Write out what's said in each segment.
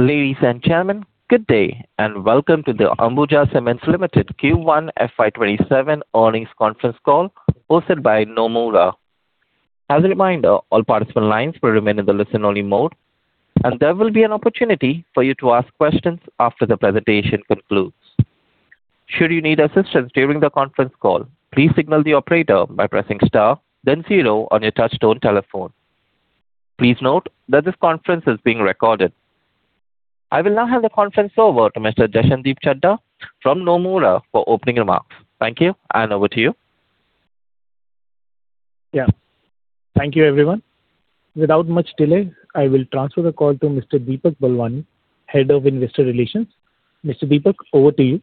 Ladies and gentlemen, good day, and welcome to the Ambuja Cements Limited Q1 FY 2027 earnings conference call hosted by Nomura. As a reminder, all participant lines will remain in the listen-only mode, and there will be an opportunity for you to ask questions after the presentation concludes. Should you need assistance during the conference call, please signal the operator by pressing star then zero on your touch-tone telephone. Please note that this conference is being recorded. I will now hand the conference over to Mr. Jashandeep Chadha from Nomura for opening remarks. Thank you. Over to you. Thank you, everyone. Without much delay, I will transfer the call to Mr. Deepak Balwani, Head of Investor Relations. Mr. Deepak, over to you.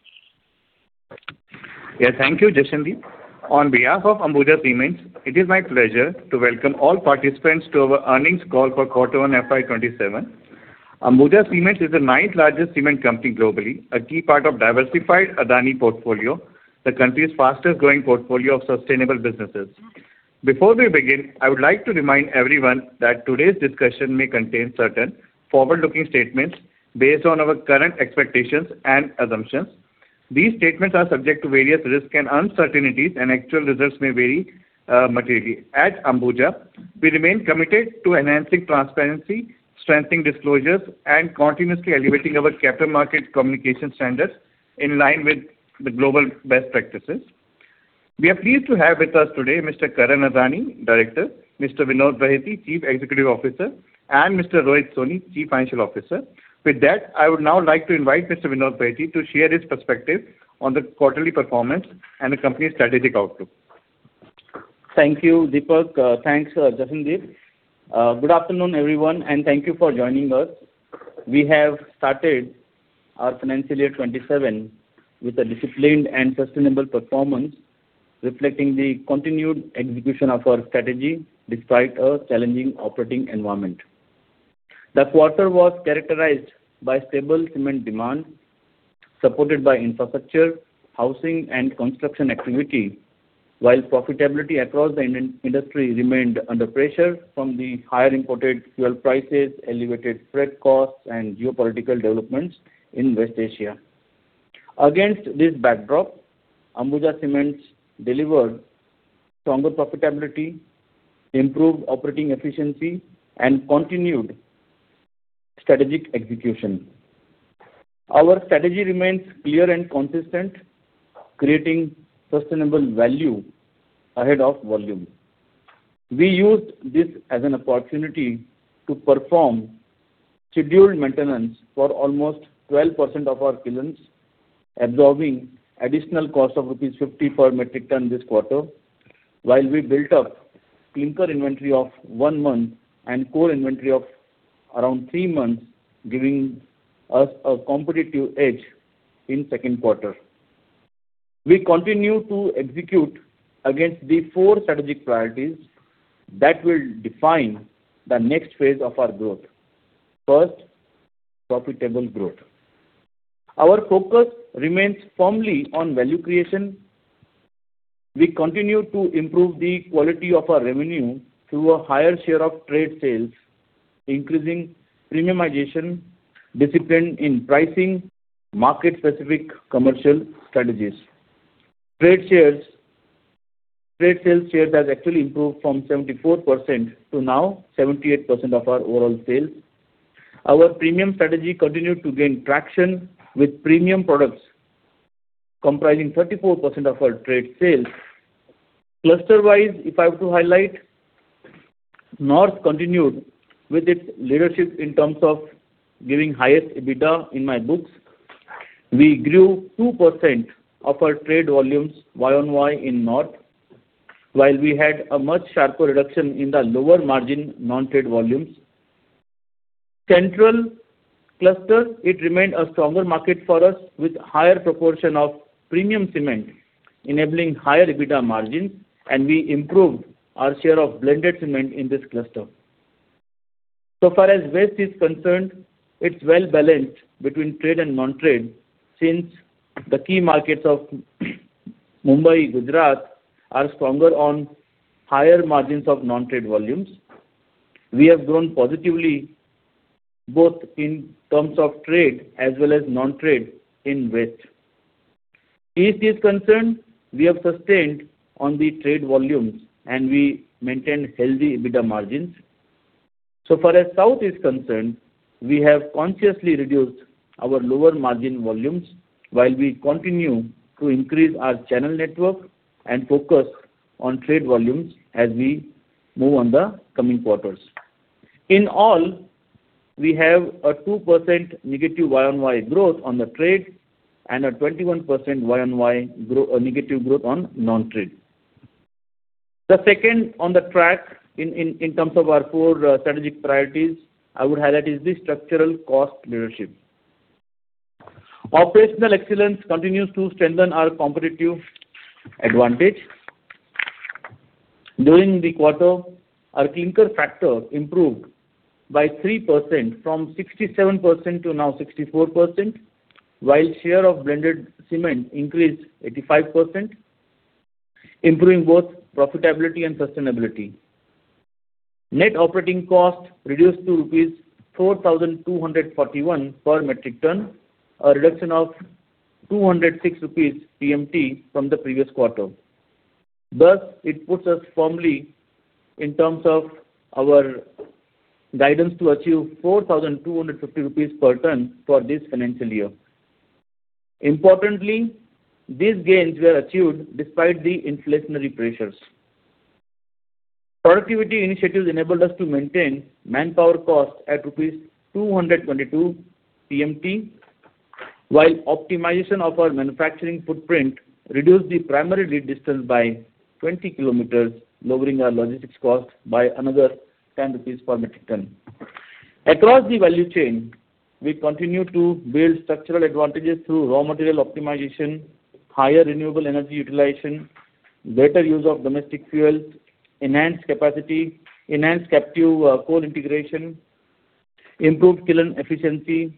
Thank you, Jashandeep. On behalf of Ambuja Cements, it is my pleasure to welcome all participants to our earnings call for quarter one FY 2027. Ambuja Cements is the ninth largest cement company globally, a key part of diversified Adani portfolio, the country's fastest-growing portfolio of sustainable businesses. Before we begin, I would like to remind everyone that today's discussion may contain certain forward-looking statements based on our current expectations and assumptions. These statements are subject to various risks and uncertainties and actual results may vary materially. At Ambuja, we remain committed to enhancing transparency, strengthening disclosures, and continuously elevating our capital market communication standards in line with the global best practices. We are pleased to have with us today Mr. Karan Adani, Director, Mr. Vinod Bahety, Chief Executive Officer, and Mr. Rohit Soni, Chief Financial Officer. With that, I would now like to invite Mr. Vinod Bahety to share his perspective on the quarterly performance and the company's strategic outlook. Thank you, Deepak. Thanks, Jashandeep. Good afternoon, everyone, and thank you for joining us. We have started our financial year 2027 with a disciplined and sustainable performance, reflecting the continued execution of our strategy despite a challenging operating environment. The quarter was characterized by stable cement demand, supported by infrastructure, housing, and construction activity. While profitability across the industry remained under pressure from the higher imported fuel prices, elevated freight costs, and geopolitical developments in West Asia. Against this backdrop, Ambuja Cements delivered stronger profitability, improved operating efficiency, and continued strategic execution. Our strategy remains clear and consistent, creating sustainable value ahead of volume. We used this as an opportunity to perform scheduled maintenance for almost 12% of our kilns, absorbing additional cost of rupees 50 per metric ton this quarter while we built up clinker inventory of one month and core inventory of around three months, giving us a competitive edge in second quarter. We continue to execute against the four strategic priorities that will define the next phase of our growth. First, profitable growth. Our focus remains firmly on value creation. We continue to improve the quality of our revenue through a higher share of trade sales, increasing premiumization, discipline in pricing, market-specific commercial strategies. Trade sales share has actually improved from 74% to now 78% of our overall sales. Our premium strategy continued to gain traction, with premium products comprising 34% of our trade sales. Cluster-wise, if I was to highlight, North continued with its leadership in terms of giving highest EBITDA in my books. We grew 2% of our trade volumes Y-on-Y in North, while we had a much sharper reduction in the lower margin non-trade volumes. Central cluster, it remained a stronger market for us with higher proportion of premium cement enabling higher EBITDA margins, and we improved our share of blended cement in this cluster. So far as West is concerned, it's well-balanced between trade and non-trade since the key markets of Mumbai, Gujarat are stronger on higher margins of non-trade volumes. We have grown positively both in terms of trade as well as non-trade in West. East is concerned, we have sustained on the trade volumes, and we maintain healthy EBITDA margins. So far as South is concerned, we have consciously reduced our lower margin volumes while we continue to increase our channel network and focus on trade volumes as we move on the coming quarters. In all, we have a 2% negative Y-on-Y growth on the trade and a 21% negative growth on non-trade. The second on the track in terms of our four strategic priorities I would highlight is the structural cost leadership. Operational excellence continues to strengthen our competitive advantage. During the quarter, our clinker factor improved by 3%, from 67% to now 64%, while share of blended cement increased 85%. Improving both profitability and sustainability. Net operating cost reduced to rupees 4,241 per metric ton, a reduction of 206 rupees PMT from the previous quarter. Thus, it puts us firmly in terms of our guidance to achieve 4,250 rupees per ton for this financial year. Importantly, these gains were achieved despite the inflationary pressures. Productivity initiatives enabled us to maintain manpower costs at rupees 222 PMT, while optimization of our manufacturing footprint reduced the primary lead distance by 20 km, lowering our logistics cost by another 10 rupees per metric ton. Across the value chain, we continue to build structural advantages through raw material optimization, higher renewable energy utilization, better use of domestic fuel, enhanced capacity, enhanced captive coal integration, improved kiln efficiency,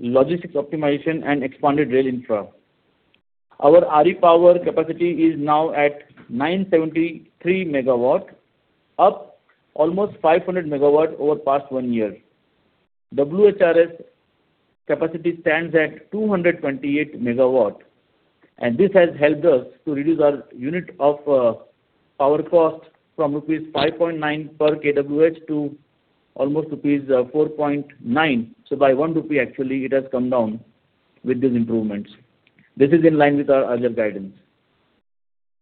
logistics optimization, and expanded rail infra. Our RE power capacity is now at 973 MW, up almost 500 MW over the past one year. WHRS capacity stands at 228 MW, and this has helped us to reduce our unit of power cost from rupees 5.9 per kWh to almost rupees 4.9. So by one rupee actually, it has come down with these improvements. This is in line with our earlier guidance.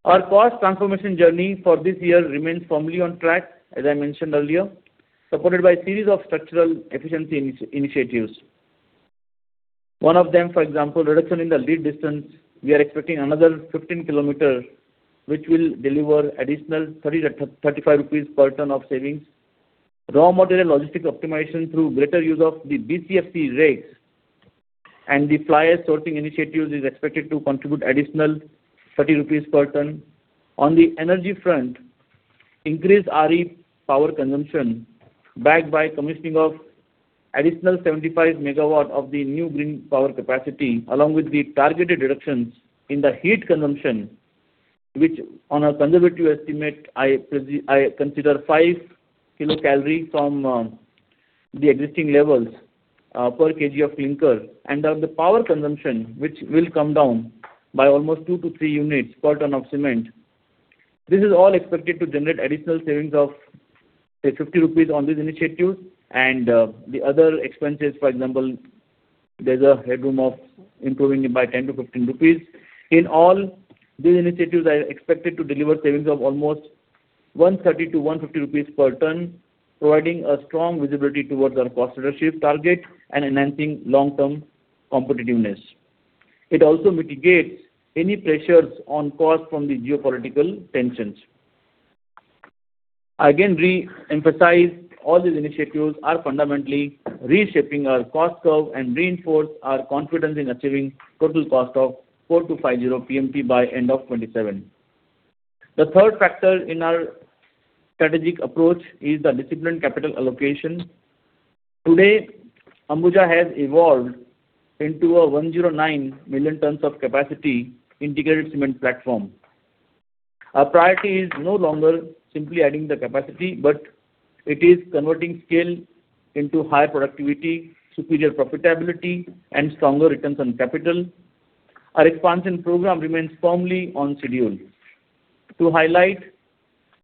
Our cost transformation journey for this year remains firmly on track, as I mentioned earlier, supported by a series of structural efficiency initiatives. One of them, for example, reduction in the lead distance. We are expecting another 15 kM, which will deliver additional 30-35 rupees per ton of savings. Raw material logistics optimization through greater use of the BCFC rigs and the fly ash sorting initiatives is expected to contribute an additional 30 rupees per ton. On the energy front, increased RE power consumption, backed by commissioning of additional 75 MW of the new green power capacity, along with the targeted reductions in the heat consumption, which on a conservative estimate, I consider 5 kkal from the existing levels per kg of clinker. And on the power consumption, which will come down by almost two to three units per ton of cement. This is all expected to generate additional savings of, say, 50 rupees on these initiatives and the other expenses. For example, there is a headroom of improving it by 10-15 rupees. In all, these initiatives are expected to deliver savings of almost 130-150 rupees per ton, providing a strong visibility towards our cost leadership target and enhancing long-term competitiveness. It also mitigates any pressures on cost from the geopolitical tensions. I again re-emphasize all these initiatives are fundamentally reshaping our cost curve and reinforce our confidence in achieving total cost of 4,250 PMT by end of 2027. The third factor in our strategic approach is the disciplined capital allocation. Today, Ambuja has evolved into a 109 million tons of capacity integrated cement platform. Our priority is no longer simply adding the capacity, but it is converting scale into higher productivity, superior profitability and stronger returns on capital. Our expansion program remains firmly on schedule. To highlight,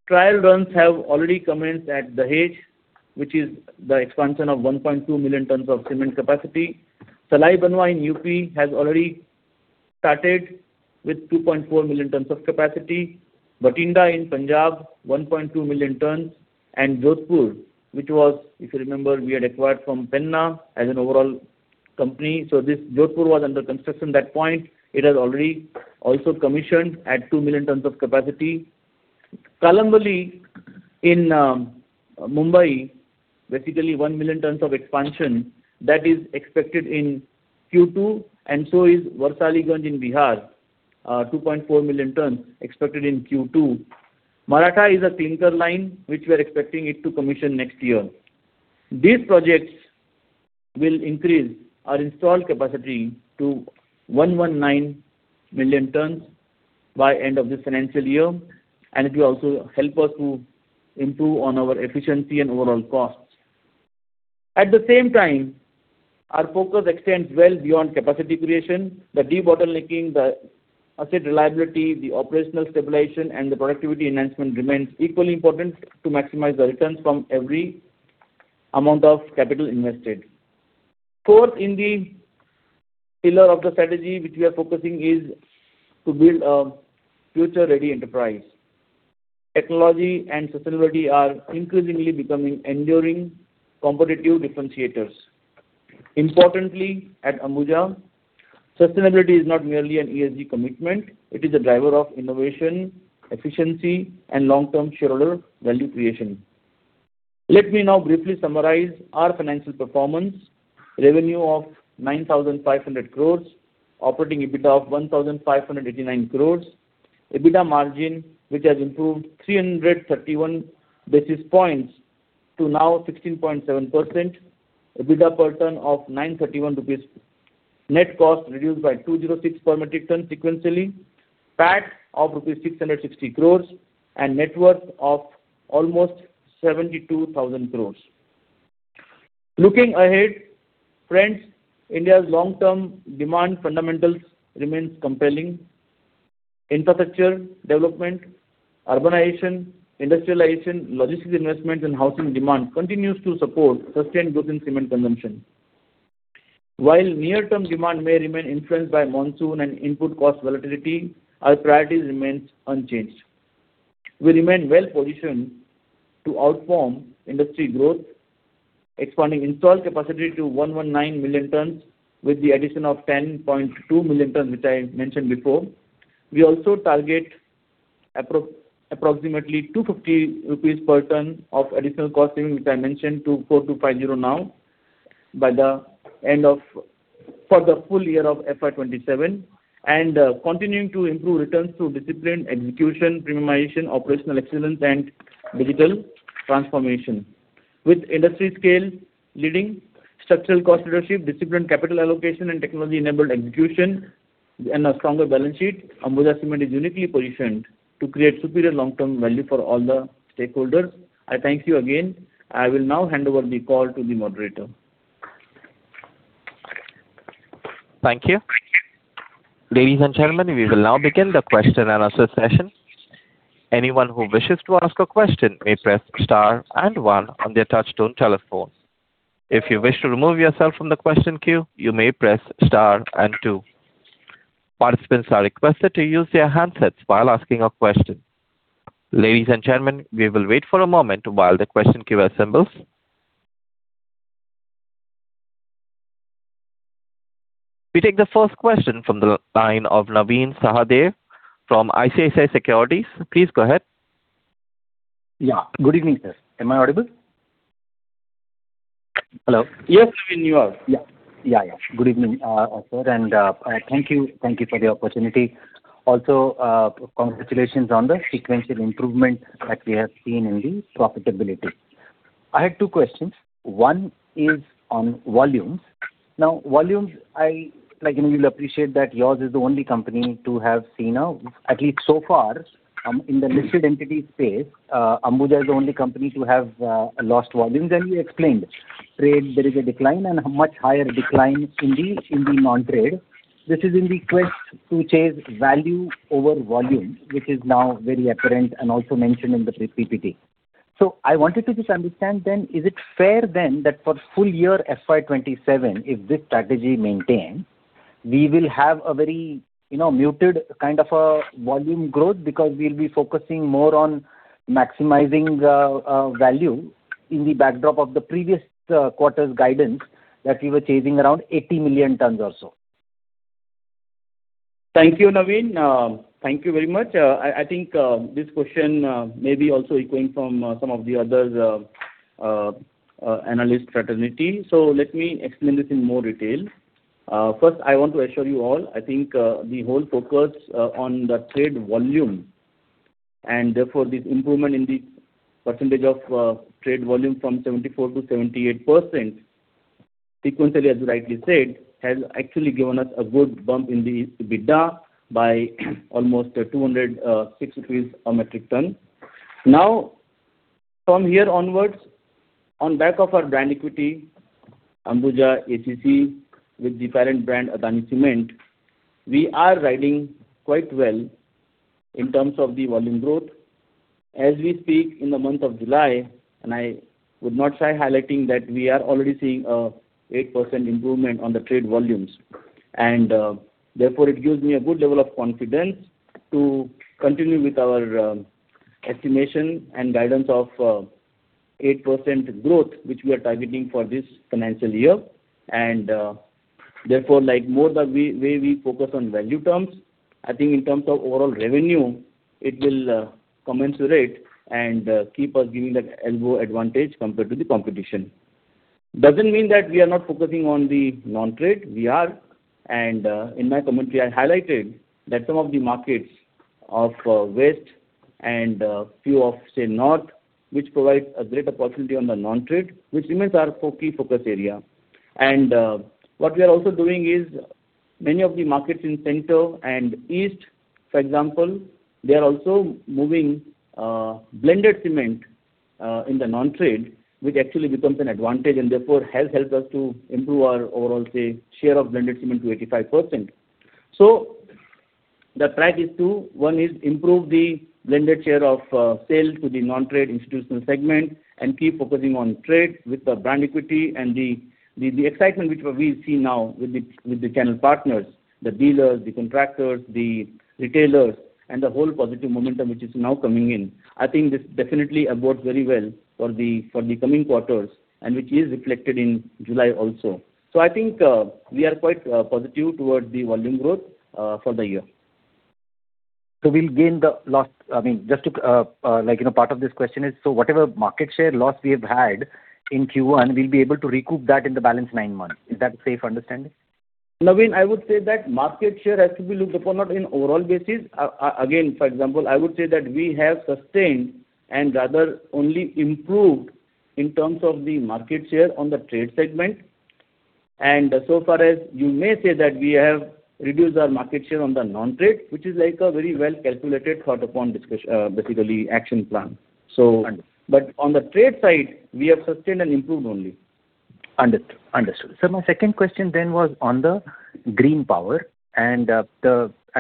trial runs have already commenced at Dahej, which is the expansion of 1.2 million tons of cement capacity. Salai Banwa in UP has already started with 2.4 million tons of capacity. Bathinda in Punjab, 1.2 million tons. And Jodhpur, which was, if you remember, we had acquired from Penna as an overall company. So this Jodhpur was under construction at that point. It has already also commissioned at 2 million tons of capacity. Kalamboli in Mumbai, basically 1 million tons of expansion. That is expected in Q2, and so is Warisaliganj in Bihar, 2.4 million tons expected in Q2. Maratha is a clinker line, which we are expecting it to commission next year. These projects will increase our installed capacity to 119 million tons by end of this financial year. It will also help us to improve on our efficiency and overall costs. At the same time, our focus extends well beyond capacity creation. The debottlenecking, the asset reliability, the operational stabilization, and the productivity enhancement remains equally important to maximize the returns from every amount of capital invested. Fourth, in the pillar of the strategy which we are focusing is to build a future-ready enterprise. Technology and sustainability are increasingly becoming enduring competitive differentiators. Importantly, at Ambuja, sustainability is not merely an ESG commitment. It is a driver of innovation, efficiency, and long-term shareholder value creation. Let me now briefly summarize our financial performance. Revenue of 9,500 crore. Operating EBITDA of 1,589 crore. EBITDA margin, which has improved 331 basis points to now 16.7%. EBITDA per ton of 931 rupees. Net cost reduced by 206 per metric ton sequentially, PAT of rupees 660 crore and net worth of almost 72,000 crore. Looking ahead, friends, India's long-term demand fundamentals remains compelling. Infrastructure development, urbanization, industrialization, logistics investments and housing demand continues to support sustained growth in cement consumption. While near-term demand may remain influenced by monsoon and input cost volatility, our priorities remains unchanged. We remain well-positioned to outperform industry growth, expanding installed capacity to 119 million tons with the addition of 10.2 million tons, which I mentioned before. We also target approximately 250 rupees per ton of additional costing, which I mentioned to 4,250 now by the end of further full-year of FY 2027, and continuing to improve returns through disciplined execution, premiumization, operational excellence, and digital transformation. With industry scale leading structural cost leadership, disciplined capital allocation and technology-enabled execution and a stronger balance sheet, Ambuja Cements is uniquely positioned to create superior long-term value for all the stakeholders. I thank you again. I will now hand over the call to the moderator. Thank you. Ladies and gentlemen, we will now begin the question-and-answer session. Anyone who wishes to ask a question may press star and one on their touchtone telephone. If you wish to remove yourself from the question queue, you may press star and two. Participants are requested to use their handsets while asking a question. Ladies and gentlemen, we will wait for a moment while the question queue assembles. We take the first question from the line of Navin Sahadeo from ICICI Securities. Please go ahead. Yeah. Good evening, sir. Am I audible? Hello? Yes, Navin, you are. Yeah. Good evening, sir. Thank you for the opportunity. Also, congratulations on the sequential improvement that we have seen in the profitability. I had two questions. One is on volumes. Now, volumes, you will appreciate that yours is the only company to have seen a, at least so far, in the listed entity space, Ambuja is the only company to have lost volumes. You explained trade, there is a decline and a much higher decline in the non-trade. This is in the quest to chase value over volume, which is now very apparent and also mentioned in the PPT. I wanted to just understand then, is it fair then that for full-year FY 2027, if this strategy maintains, we will have a very muted kind of a volume growth because we will be focusing more on maximizing value in the backdrop of the previous quarter's guidance that we were chasing around 80 million tons or so? Thank you, Navin. Thank you very much. This question may be also echoing from some of the other analyst fraternity. Let me explain this in more detail. First, I want to assure you all, the whole focus on the trade volume, therefore this improvement in the percentage of trade volume from 74%-78% sequentially, as you rightly said, has actually given us a good bump in the EBITDA by almost 206 rupees a metric ton. From here onwards, on back of our brand equity, Ambuja, ACC with the parent brand, Adani Cement, we are riding quite well in terms of the volume growth. As we speak in the month of July, I would not shy highlighting that we are already seeing a 8% improvement on the trade volumes. Therefore it gives me a good level of confidence to continue with our estimation and guidance of 8% growth, which we are targeting for this financial year. Therefore more the way we focus on value terms, in terms of overall revenue, it will commensurate and keep us giving that elbow advantage compared to the competition. Doesn't mean that we are not focusing on the non-trade. We are, in my comment, we have highlighted that some of the markets of West and few of, say, North, which provide a great opportunity on the non-trade, which remains our key focus area. What we are also doing is, many of the markets in Center and East, for example, they are also moving blended cement in the non-trade, which actually becomes an advantage and therefore has helped us to improve our overall, say, share of blended cement to 85%. The track is to, one is improve the blended share of sales to the non-trade institutional segment and keep focusing on trade with the brand equity and the excitement which we see now with the channel partners, the dealers, the contractors, the retailers, and the whole positive momentum which is now coming in. This definitely abodes very well for the coming quarters and which is reflected in July also. We are quite positive towards the volume growth for the year. We'll gain, part of this question is, whatever market share loss we have had in Q1, we'll be able to recoup that in the balance nine months. Is that a safe understanding? Navin, I would say that market share has to be looked upon not in overall basis. For example, I would say that we have sustained and rather only improved in terms of the market share on the trade segment. So far as you may say that we have reduced our market share on the non-trade, which is a very well-calculated, thought upon, basically action plan. Understood. On the trade side, we have sustained and improved only. Understood. Sir, my second question then was on the green power and as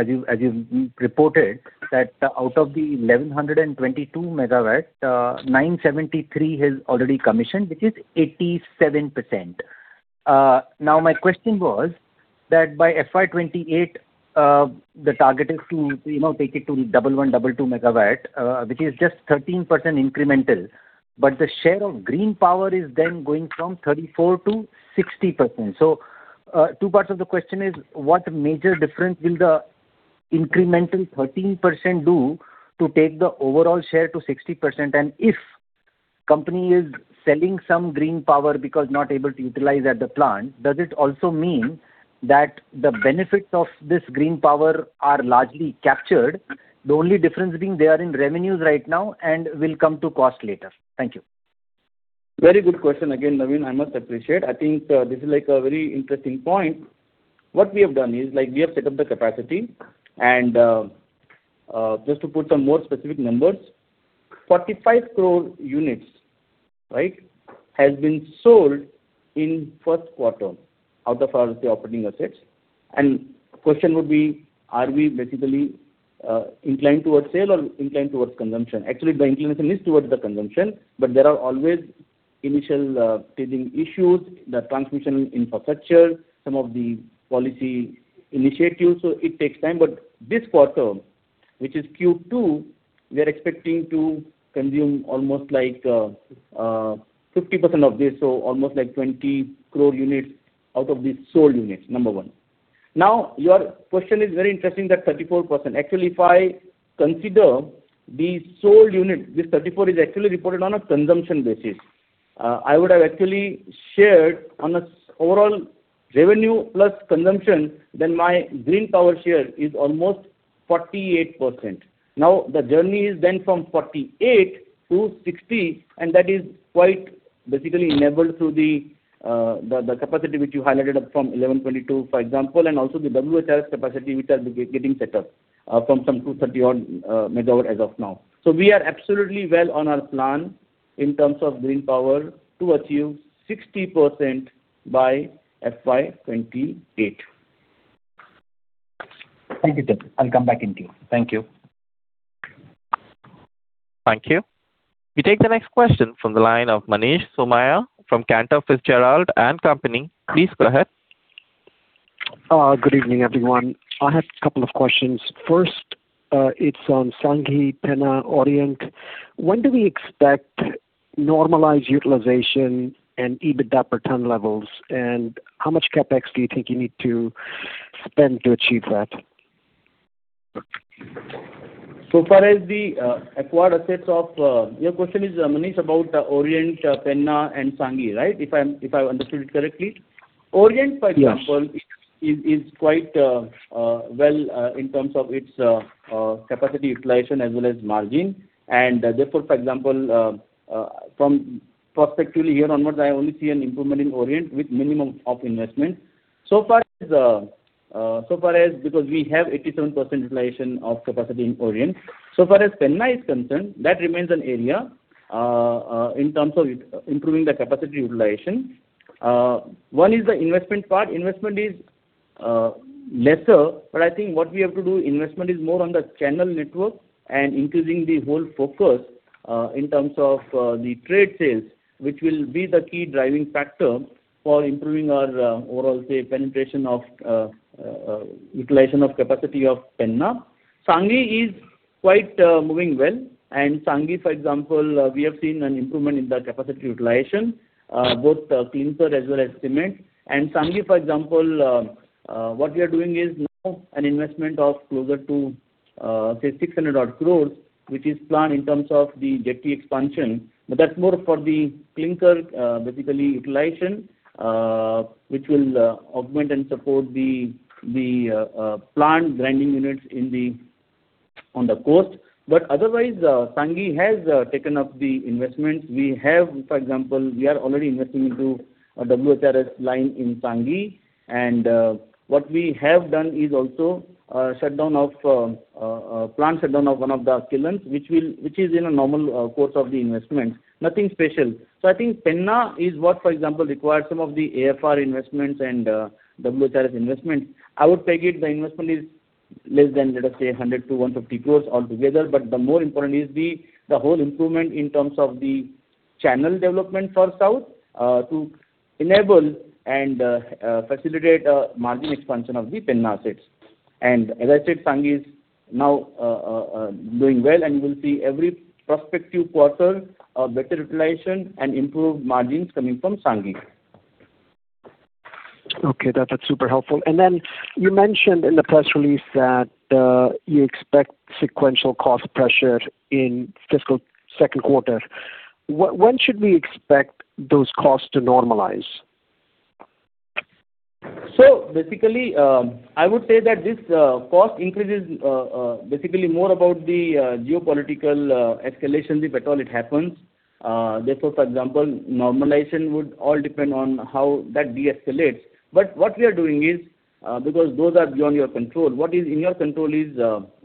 you reported that out of the 1,122 MW, 973 MW has already commissioned, which is 87%. My question was that by FY 2028, the target is to take it to 111 MW, 112 MW, which is just 13% incremental, but the share of green power is then going from 34%-60%. Two parts of the question is, what major difference will the incremental 13% do to take the overall share to 60%? If company is selling some green power because not able to utilize at the plant, does it also mean that the benefits of this green power are largely captured, the only difference being they are in revenues right now and will come to cost later? Thank you. Very good question again, Navin, I must appreciate. I think this is a very interesting point. What we have done is we have set up the capacity and just to put some more specific numbers, 45 crore units has been sold in first quarter out of all the operating assets. Question would be, are we basically inclined towards sale or inclined towards consumption? Actually, the inclination is towards the consumption, but there are always initial teething issues, the transmission infrastructure, some of the policy initiatives, so it takes time. This quarter, which is Q2, we are expecting to consume almost 50% of this, so almost 20 crore units out of these sold units. Number one. Your question is very interesting, that 34%. Actually, if I consider the sold unit, this 34 is actually reported on a consumption basis. I would have actually shared on an overall revenue plus consumption, then my green power share is almost 48%. The journey is then from 48% to 60%, that is quite basically enabled through the capacity which you highlighted up from 1,122 MW, for example, also the WHRS capacity which are getting set up from some 230 odd MW as of now. We are absolutely well on our plan in terms of green power to achieve 60% by FY 2028. Thank you. I'll come back in queue. Thank you. Thank you. We take the next question from the line of Manish Somaiya from Cantor Fitzgerald & Company. Please go ahead. Good evening, everyone. I have a couple of questions. First, it's on Sanghi, Penna, Orient. When do we expect normalized utilization and EBITDA per ton levels, and how much CapEx do you think you need to spend to achieve that? Your question is, Manish, about Orient, Penna and Sanghi, right? If I understood it correctly. Orient, for example Yes Orient is quite well in terms of its capacity utilization as well as margin. Therefore, for example, from prospectively here onwards, I only see an improvement in Orient with minimum of investment. Because we have 87% utilization of capacity in Orient. So far as Penna is concerned, that remains an area in terms of improving the capacity utilization. One is the investment part. Investment is lesser, but I think what we have to do, investment is more on the channel network and increasing the whole focus in terms of the trade sales, which will be the key driving factor for improving our overall, say, penetration of utilization of capacity of Penna. Sanghi is quite moving well, and Sanghi, for example, we have seen an improvement in the capacity utilization, both clinker as well as cement. Sanghi, for example, what we are doing is now an investment of closer to, say, 600 odd crore, which is planned in terms of the jetty expansion. That's more for the clinker, basically utilization, which will augment and support the plant grinding units on the coast. Otherwise, Sanghi has taken up the investment. We have, for example, we are already investing into a WHRS line in Sanghi, and what we have done is also plant shutdown of one of the kilns, which is in a normal course of the investment. Nothing special. I think Penna is what, for example, requires some of the AFR investments and WHRS investments. I would peg it, the investment is less than, let us say, 100 crore-150 crore altogether. The more important is the whole improvement in terms of the channel development for South to enable and facilitate a margin expansion of the Penna assets. As I said, Sanghi is now doing well, and you will see every prospective quarter a better utilization and improved margins coming from Sanghi. That's super helpful. You mentioned in the press release that you expect sequential cost pressure in fiscal second quarter. When should we expect those costs to normalize? I would say that this cost increase is basically more about the geopolitical escalations, if at all it happens. Normalization would all depend on how that deescalates. What we are doing is, because those are beyond your control, what is in your control is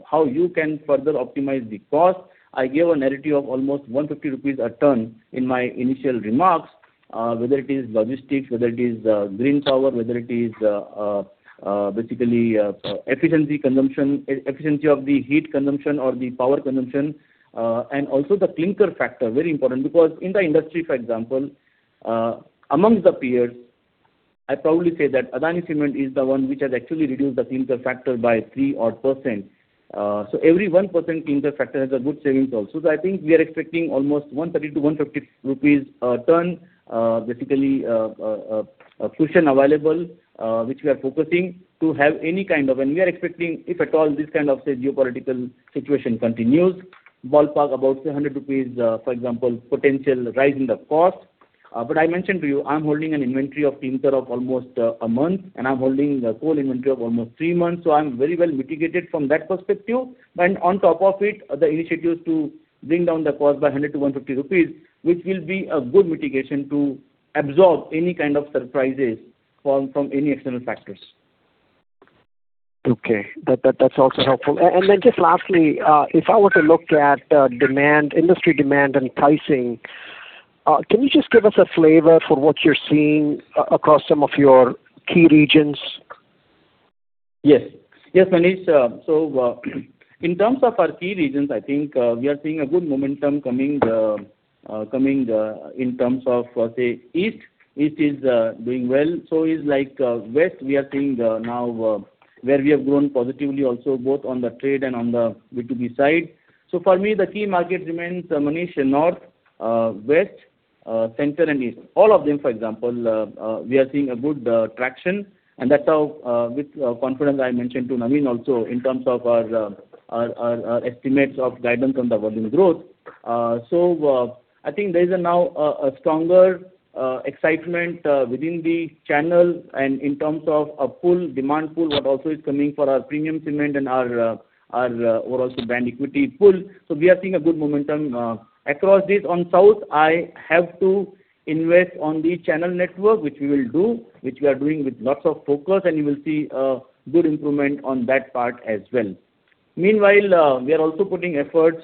how you can further optimize the cost. I gave a narrative of almost 150 rupees a ton in my initial remarks, whether it is logistics, whether it is green power, whether it is basically efficiency of the heat consumption or the power consumption, and also the clinker factor, very important. Because in the industry, for example, amongst the peers, I'd probably say that Adani Cement is the one which has actually reduced the clinker factor by 3%. Every 1% clinker factor has a good savings also. I think we are expecting almost 130-150 rupees a ton, basically cushion available, which we are focusing to have any kind of. We are expecting, if at all this kind of, say, geopolitical situation continues, ballpark about 700 rupees, for example, potential rise in the cost. I mentioned to you, I'm holding an inventory of clinker of almost a month, and I'm holding a coal inventory of almost three months. I'm very well mitigated from that perspective. On top of it, the initiatives to bring down the cost by 100-150 rupees, which will be a good mitigation to absorb any kind of surprises from any external factors. That's also helpful. Just lastly, if I were to look at industry demand and pricing, can you just give us a flavor for what you're seeing across some of your key regions? Yes, Manish. In terms of our key regions, I think we are seeing a good momentum coming in terms of, say, east. East is doing well. Is west, we are seeing now where we have grown positively also both on the trade and on the B2B side. For me, the key markets remains, Manish, north, west, center, and east. All of them, for example, we are seeing a good traction, and that's how with confidence I mentioned to Navin also in terms of our estimates of guidance on the volume growth. I think there is now a stronger excitement within the channel and in terms of a demand pool what also is coming for our premium cement and our overall brand equity pool. We are seeing a good momentum across this. On south, I have to invest on the channel network, which we will do, which we are doing with lots of focus, and you will see a good improvement on that part as well. Meanwhile, we are also putting efforts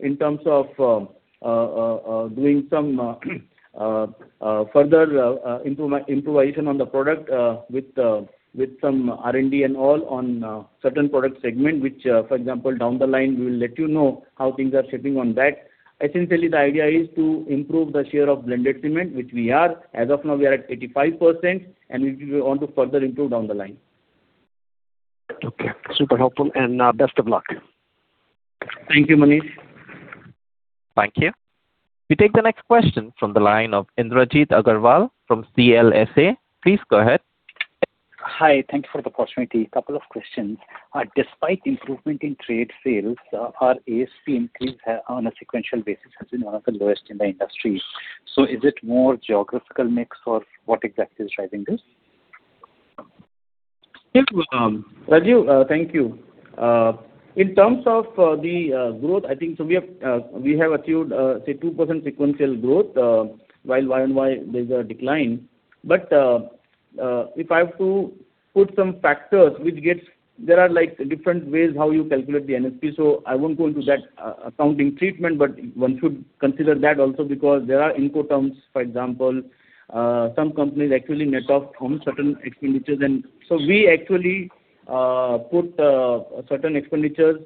in terms of doing some further improvisation on the product with some R&D and all on certain product segment, which, for example, down the line, we will let you know how things are shaping on that. Essentially, the idea is to improve the share of blended cement, which we are. As of now, we are at 85%, and we want to further improve down the line. Okay. Super helpful, best of luck. Thank you, Manish. Thank you. We take the next question from the line of Indrajit Agarwal from CLSA. Please go ahead. Hi. Thank you for the opportunity. Couple of questions. Despite improvement in trade sales, our ASP increase on a sequential basis has been one of the lowest in the industry. Is it more geographical mix, or what exactly is driving this? Yes, Raju, thank you. In terms of the growth, I think we have achieved, say, 2% sequential growth. While Y-on-Y, there's a decline. If I have to put some factors, there are different ways how you calculate the NSP. I won't go into that accounting treatment, but one should consider that also because there are incoterms. For example, some companies actually net off from certain expenditures. We actually put certain expenditures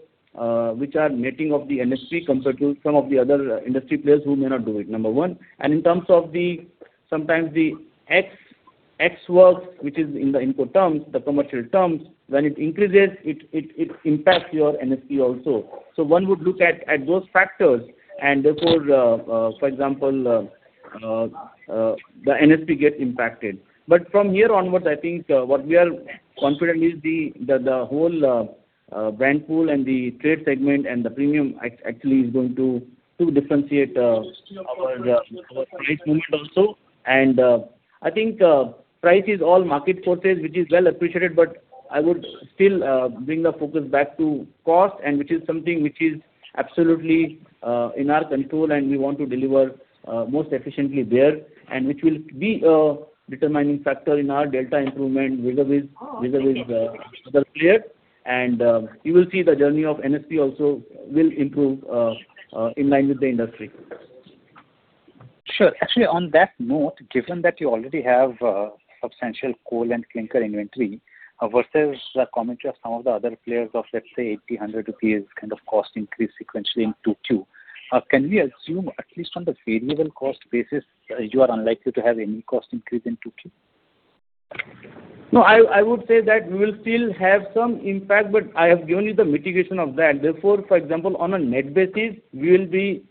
which are netting of the NSP compared to some of the other industry players who may not do it. Number one. In terms of sometimes the X works, which is in the incoterms, the commercial terms, when it increases, it impacts your NSP also. One would look at those factors, therefore, for example, the NSP gets impacted. From here onwards, I think what we are confident is the whole brand pool and the trade segment and the premium actually is going to differentiate our price movement also. I think price is all market forces, which is well appreciated, but I would still bring the focus back to cost, which is something which is absolutely in our control, and we want to deliver most efficiently there, which will be a determining factor in our delta improvement vis-à-vis the other player. You will see the journey of NSP also will improve in line with the industry. Sure. On that note, given that you already have substantial coal and clinker inventory versus the commentary of some of the other players of, let's say, 80-100 rupees kind of cost increase sequentially in 2Q. Can we assume, at least on the variable cost basis, you are unlikely to have any cost increase in 2Q? No, I would say that we will still have some impact. I have given you the mitigation of that. For example, on a net basis, we will be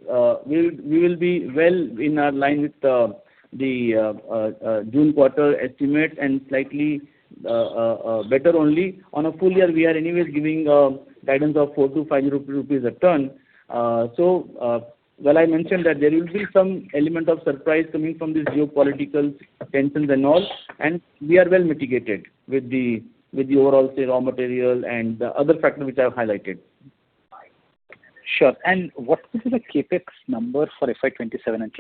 well in line with the June quarter estimate and slightly better only. On a full-year, we are anyway giving a guidance of 4,250 rupees a ton. While I mentioned that there will be some element of surprise coming from these geopolitical tensions and all, and we are well mitigated with the overall, say, raw material and the other factors which I have highlighted. Sure. What would be the CapEx number for FY 2027 and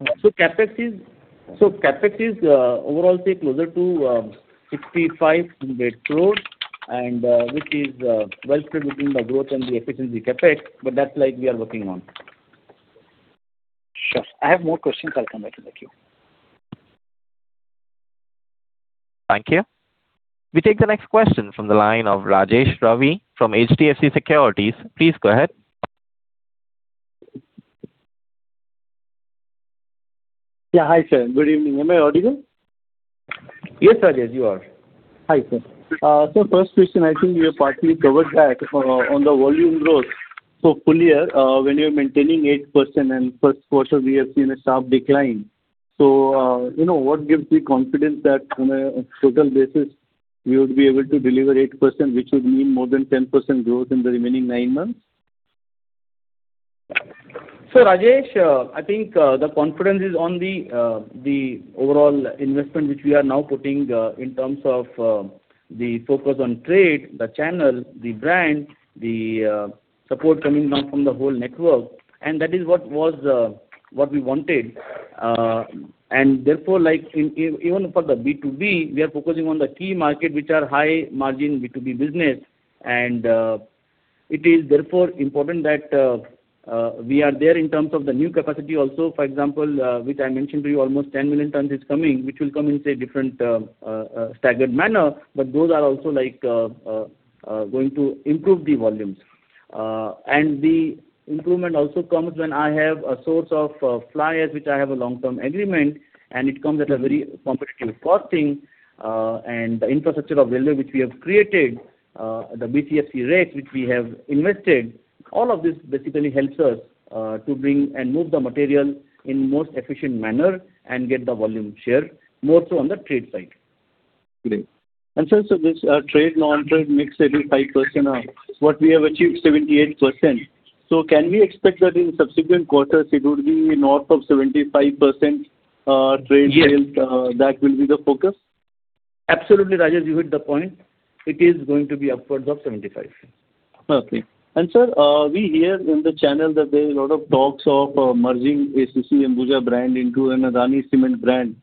FY 2028? CapEx is overall, say, closer to 6,500 crores and which is well spread between the growth and the efficiency CapEx. That slide we are working on. Sure. I have more questions. I'll come back in the queue. Thank you. We take the next question from the line of Rajesh Ravi from HDFC Securities. Please go ahead. Yeah. Hi, sir. Good evening. Am I audible? Yes, Rajesh, you are. Hi, sir. Sir, first question, I think you have partly covered that on the volume growth for full-year, when you are maintaining 8% and first quarter we have seen a sharp decline. What gives the confidence that on a total basis we would be able to deliver 8%, which would mean more than 10% growth in the remaining nine months? Rajesh, I think, the confidence is on the overall investment which we are now putting in terms of the focus on trade, the channel, the brand, the support coming now from the whole network, and that is what we wanted. Therefore, even for the B2B, we are focusing on the key market which are high margin B2B business, and it is therefore important that we are there in terms of the new capacity also. For example, which I mentioned to you, almost 10 million tons is coming, which will come in, say, different staggered manner, but those are also going to improve the volumes. The improvement also comes when I have a source of fly ash, which I have a long-term agreement, and it comes at a very competitive costing. The infrastructure availability which we have created, the BCFC rake which we have invested, all of this basically helps us to bring and move the material in most efficient manner and get the volume share more so on the trade side. Great. Sir, this trade non-trade mix 75% or what we have achieved 78%. Can we expect that in subsequent quarters it would be north of 75% trade sales- Yes. that will be the focus? Absolutely, Rajesh, you hit the point. It is going to be upwards of 75%. Okay. Sir, we hear in the channel that there is a lot of talks of merging ACC Ambuja brand into an Adani Cement brand.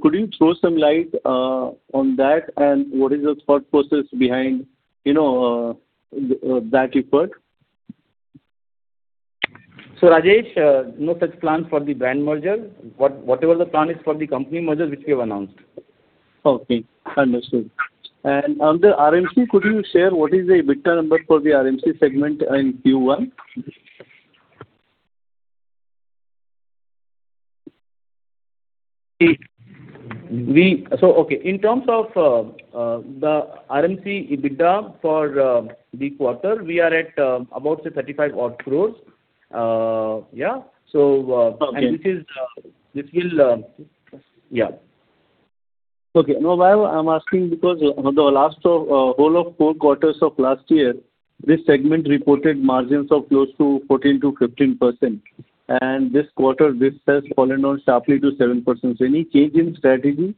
Could you throw some light on that and what is the thought process behind that effort? Rajesh, no such plan for the brand merger. Whatever the plan is for the company merger which we have announced. Okay, understood. On the RMC, could you share what is the EBITDA number for the RMC segment in Q1? Okay. In terms of the RMC EBITDA for the quarter, we are at about, say, 35 odd crores. Yeah. Okay. This will. Yeah. Okay. No, I'm asking because the last whole of four quarters of last year, this segment reported margins of close to 14%-15%. This quarter, this has fallen down sharply to 7%. Any change in strategy?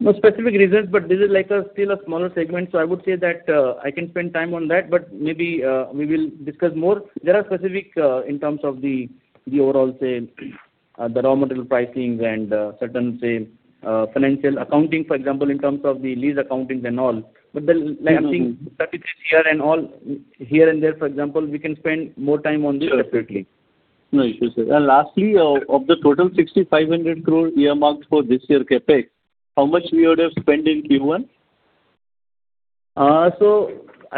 No specific reasons, this is still a smaller segment, I would say that I can spend time on that, maybe we will discuss more. There are specific in terms of the overall, say, the raw material pricing and certain, say, financial accounting, for example, in terms of the lease accounting and all. I think here and there, for example, we can spend more time on this separately. Sure. No issues, sir. Lastly, of the total 6,500 crore earmarked for this year CapEx, how much we would have spent in Q1? I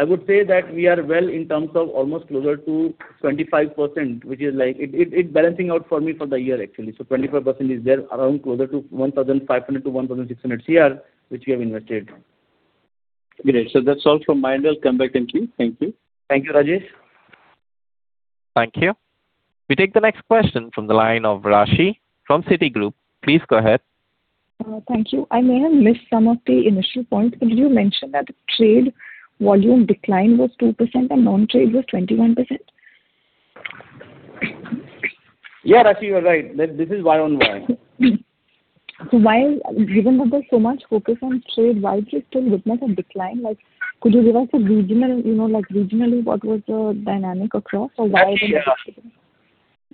would say that we are well in terms of almost closer to 25%, which is like it balancing out for me for the year actually. 25% is there around closer to 1,500 crore-1,600 crore, which we have invested. Great. That's all from my end. I'll come back in queue. Thank you. Thank you, Rajesh. Thank you. We take the next question from the line of Raashi from Citigroup. Please go ahead. Thank you. I may have missed some of the initial points. Did you mention that trade volume decline was 2% and non-trade was 21%? Yeah, Raashi, you're right. This is Y-on-Y. Why, given that there is so much focus on trade, why do you still witness a decline? Could you give us a regional, like regionally what was the dynamic across or why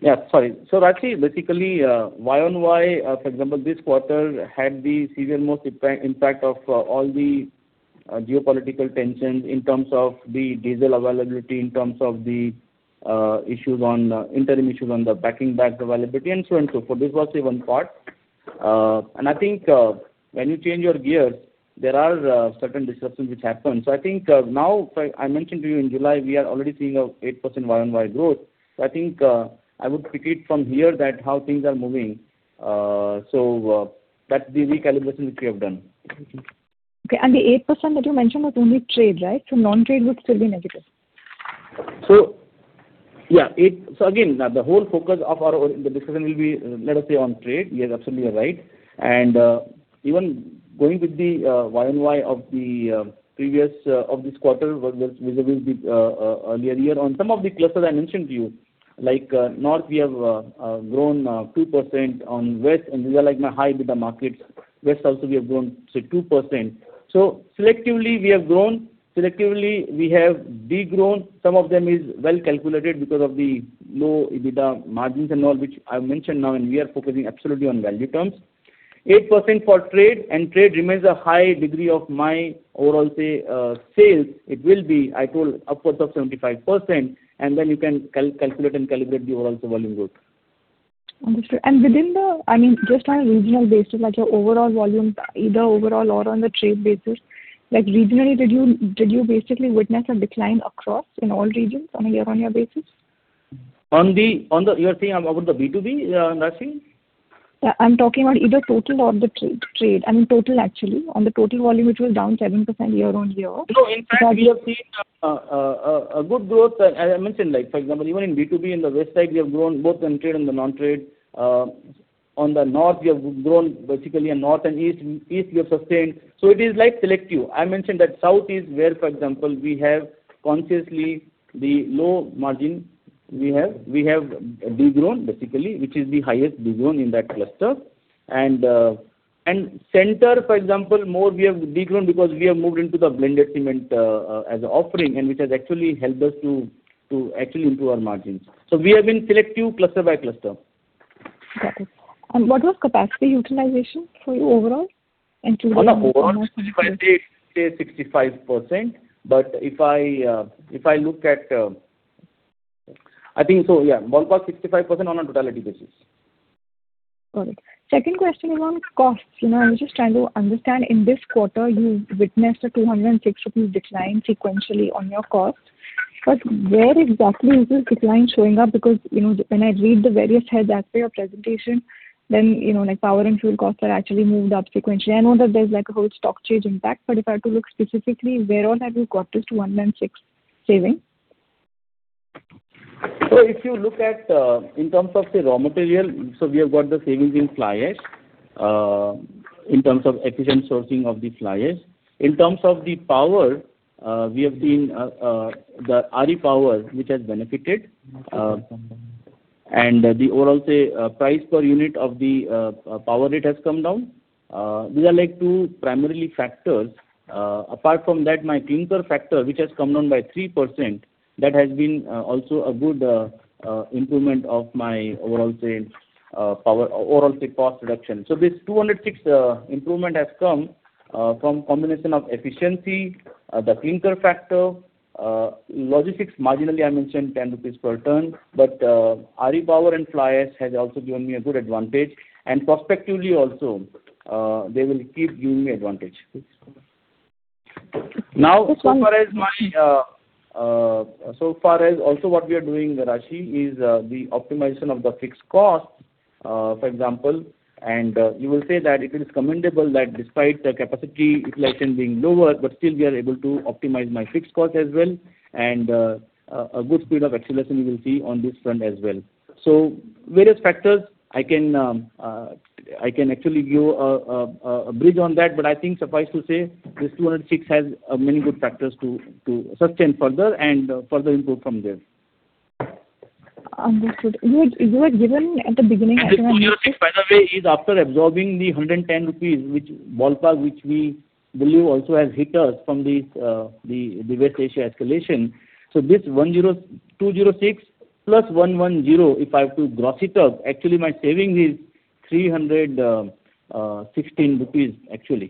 Yeah, sorry. Raashi, basically, Y-on-Y, for example, this quarter had the seasonal most impact of all the geopolitical tensions in terms of the diesel availability, in terms of the interim issues on the packing bag availability and so and so forth. This was even part. I think when you change your gears, there are certain disruptions which happen. I think now, I mentioned to you in July, we are already seeing a 8% Y-on-Y growth. I think, I would repeat from here that how things are moving. That the recalibration which we have done. Okay. The 8% that you mentioned was only trade, right? Non-trade would still be negative. Yeah. Again, the whole focus of our, the discussion will be, let us say on trade. Yes, absolutely you are right. Even going with the Y-on-Y of this quarter was visible with earlier year on some of the clusters I mentioned to you, like North, we have grown 2% on West and these are high EBITDA markets. West also we have grown, say, 2%. Selectively we have grown, selectively we have de-grown. Some of them is well-calculated because of the low EBITDA margins and all, which I have mentioned now, and we are focusing absolutely on value terms. 8% for trade remains a high degree of my overall sales. It will be, I told, upwards of 75%, then you can calculate and calibrate the overall volume growth. Understood. Just on a regional basis, like your overall volume, either overall or on the trade basis, like regionally, did you basically witness a decline across in all regions on a year-on-year basis? You are saying about the B2B, Raashi? I'm talking about either total or the trade. I mean total actually, on the total volume which was down 7% year-on-year. No, in fact, we have seen a good growth. As I mentioned, like for example, even in B2B, in the West side, we have grown both in trade and the non-trade. On the North, we have grown basically and North and East we have sustained. It is selective. I mentioned that South is where, for example, we have consciously the low margin we have. We have de-grown basically, which is the highest de-grown in that cluster. Center, for example, more we have de-grown because we have moved into the blended cement as an offering and which has actually helped us to actually improve our margins. We have been selective cluster by cluster. Got it. What was capacity utilization for you overall? Overall, say 65%. I think so, yeah, ballpark 65% on a totality basis. Got it. Second question is on costs. I'm just trying to understand, in this quarter, you witnessed a 206 rupees decline sequentially on your costs. Where exactly is this decline showing up? Because, when I read the various heads as per your presentation, then like power and fuel costs are actually moved up sequentially. I know that there's like a whole stock change impact. If I have to look specifically, where all have you got this 106 saving? If you look at, in terms of, say, raw material, so we have got the savings in fly ash, in terms of efficient sourcing of the fly ash. In terms of the power, we have seen the RE power, which has benefited. The overall, say, price per unit of the power rate has come down. These are like two primary factors. Apart from that, my clinker factor, which has come down by 3%, that has been also a good improvement of my overall, say, cost reduction. This 206 improvement has come from combination of efficiency, the clinker factor. Logistics, marginally, I mentioned 10 rupees per ton. RE power and fly ash has also given me a good advantage. Prospectively also, they will keep giving me advantage. Okay. So far as also what we are doing, Raashi, is the optimization of the fixed costs, for example. You will say that it is commendable that despite the capacity utilization being lower, but still we are able to optimize my fixed costs as well, a good speed of acceleration you will see on this front as well. Various factors, I can actually give a bridge on that, but I think suffice to say, this 206 has many good factors to sustain further and further improve from there. Understood. You had given at the beginning- This INR 206, by the way, is after absorbing the 110 rupees ballpark, which we believe also has hit us from the West Asia escalation. This 206 plus 110, if I have to gross it up, actually, my saving is 316 rupees actually,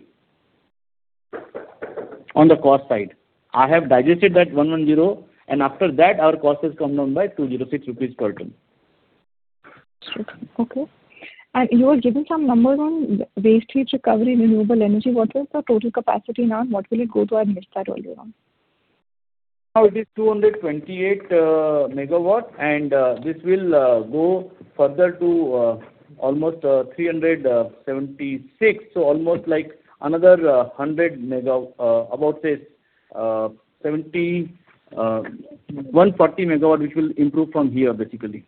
on the cost side. I have digested that 110, and after that, our cost has come down by 206 rupees per ton. Understood. Okay. You were giving some numbers on waste heat recovery, renewable energy. What was the total capacity now and what will it go to? I missed that earlier on. Now it is 228 MW. This will go further to almost 376. Almost like another 100 MW, about, say, 140 MW, which will improve from here, basically.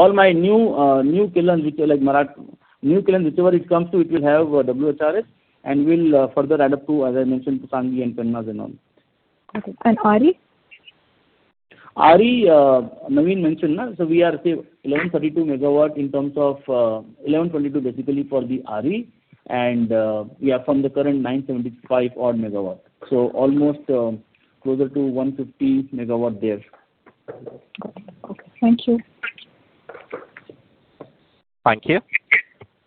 All my new kilns, whichever it comes to, it will have WHRS. It will further add up to, as I mentioned, Sanghi and Penna and all. Okay. RE? RE, Navin mentioned. We are, say, 1132 MW. 1122 MW basically for the RE. We are from the current 975 odd MW. Almost closer to 150 MW there. Okay. Thank you. Thank you.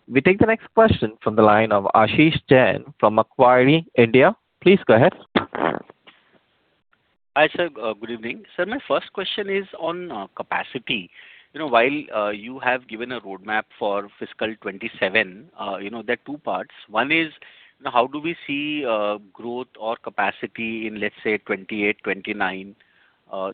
We take the next question from the line of Ashish Jain from Macquarie India. Please go ahead. Hi, sir. Good evening. Sir, my first question is on capacity. While you have given a roadmap for fiscal 2027, there are two parts. One is, how do we see growth or capacity in, let's say, 2028, 2029?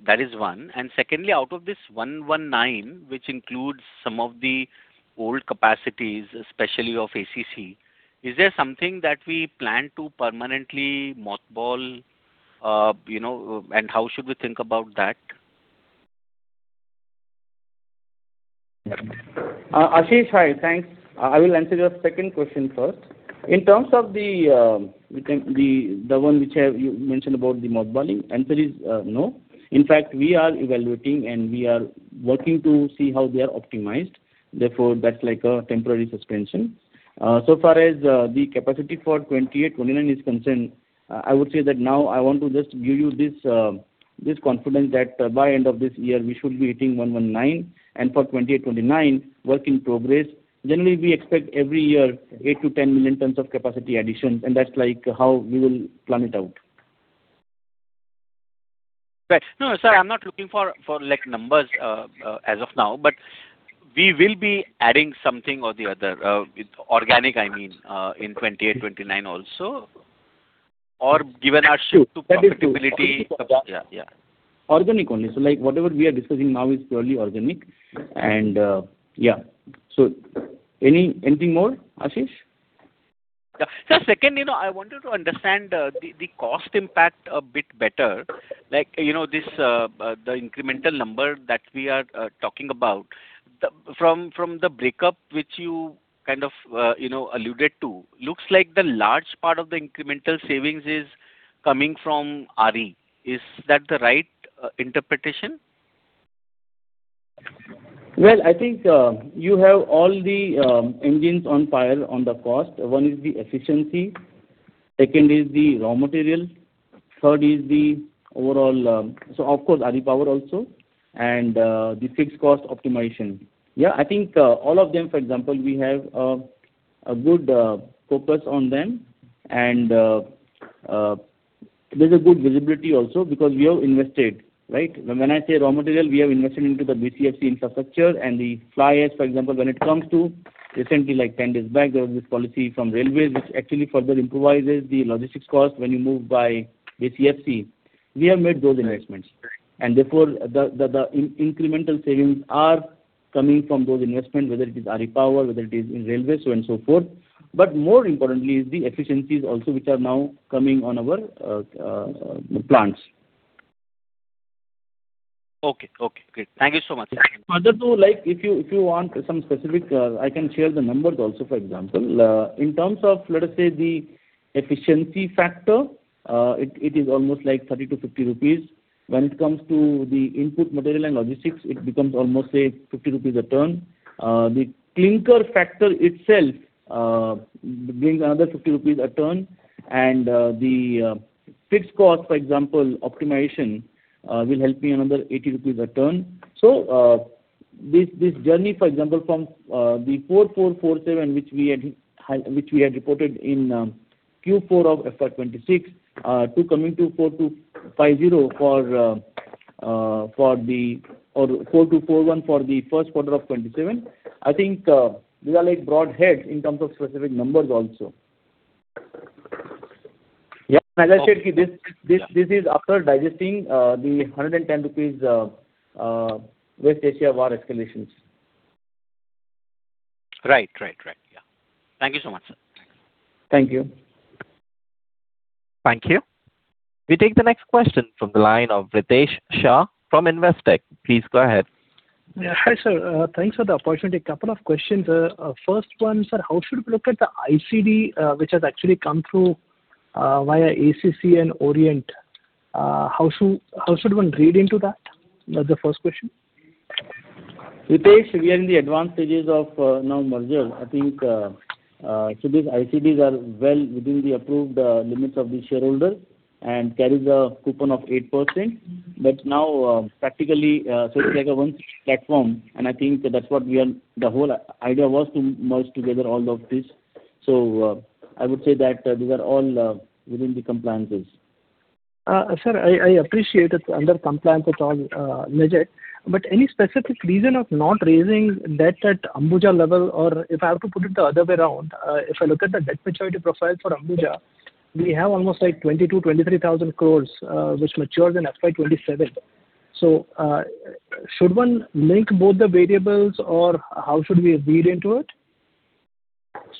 That is one. Secondly, out of this 119, which includes some of the old capacities, especially of ACC, is there something that we plan to permanently mothball? How should we think about that? Ashish, hi. Thanks. I will answer your second question first. In terms of the one which you mentioned about the mothballing, answer is no. In fact, we are evaluating and we are working to see how they are optimized. Therefore, that's like a temporary suspension. So far as the capacity for 2028, 2029 is concerned, I would say that now I want to just give you this confidence that by end of this year we should be hitting 119. For 2028, 2029, work in progress. Generally, we expect every year, 8 million tons-10 million tons of capacity addition, and that's how we will plan it out. Right. No, sir, I'm not looking for numbers as of now. We will be adding something or the other, organic, I mean, in 2028, 2029 also, or given our shift to profitability. That's true. Yeah. Organic only. Whatever we are discussing now is purely organic, and yeah. Anything more, Ashish? Yeah. Sir, second, I wanted to understand the cost impact a bit better. The incremental number that we are talking about. From the breakup which you kind of alluded to, looks like the large part of the incremental savings is coming from RE. Is that the right interpretation? Well, I think you have all the engines on fire on the cost. One is the efficiency, second is the raw material, third is the, of course, RE power also, and the fixed cost optimization. Yeah, I think all of them, for example, we have a good focus on them and there's a good visibility also because we have invested, right? When I say raw material, we have invested into the BCFC infrastructure and the fly ash, for example, when it comes to recently, like 10 days back, there was this policy from railways which actually further improvises the logistics cost when you move by BCFC. We have made those investments. Right. Therefore, the incremental savings are coming from those investment, whether it is RE power, whether it is in railway, so on and so forth. More importantly is the efficiencies also, which are now coming on our plants. Okay. Great. Thank you so much. Further to like, if you want some specific, I can share the numbers also, for example. In terms of, let us say, the efficiency factor, it is almost like 30-50 rupees. When it comes to the input material and logistics, it becomes almost, say, 50 rupees a ton. The clinker factor itself brings another 50 rupees a ton. The fixed cost, for example, optimization, will help me another 80 rupees a ton. This journey, for example, from the 4,447 which we had reported in Q4 of FY 2026 to coming to 4,250 or 4,241 for the first quarter of 2027, I think these are broad heads in terms of specific numbers also. Yeah. As I said, this is after digesting the 110 rupees West Asia war escalations. Right. Yeah. Thank you so much, sir. Thank you. Thank you. We take the next question from the line of Ritesh Shah from Investec. Please go ahead. Yeah. Hi, sir. Thanks for the opportunity. Couple of questions. First one, sir, how should we look at the ICD, which has actually come through, via ACC and Orient? How should one read into that? That's the first question. Ritesh, we are in the advanced stages of now merger. These ICDs are well within the approved limits of the shareholder and carries a coupon of 8%. Now, practically, it's like a one platform, and I think that's what the whole idea was to merge together all of this. I would say that these are all within the compliances. Sir, I appreciate it's under compliance. It's all legit. Any specific reason of not raising debt at Ambuja level? If I have to put it the other way around, if I look at the debt maturity profile for Ambuja, we have almost like 22,000 crore-23,000 crore, which matures in FY 2027. Should one link both the variables or how should we read into it?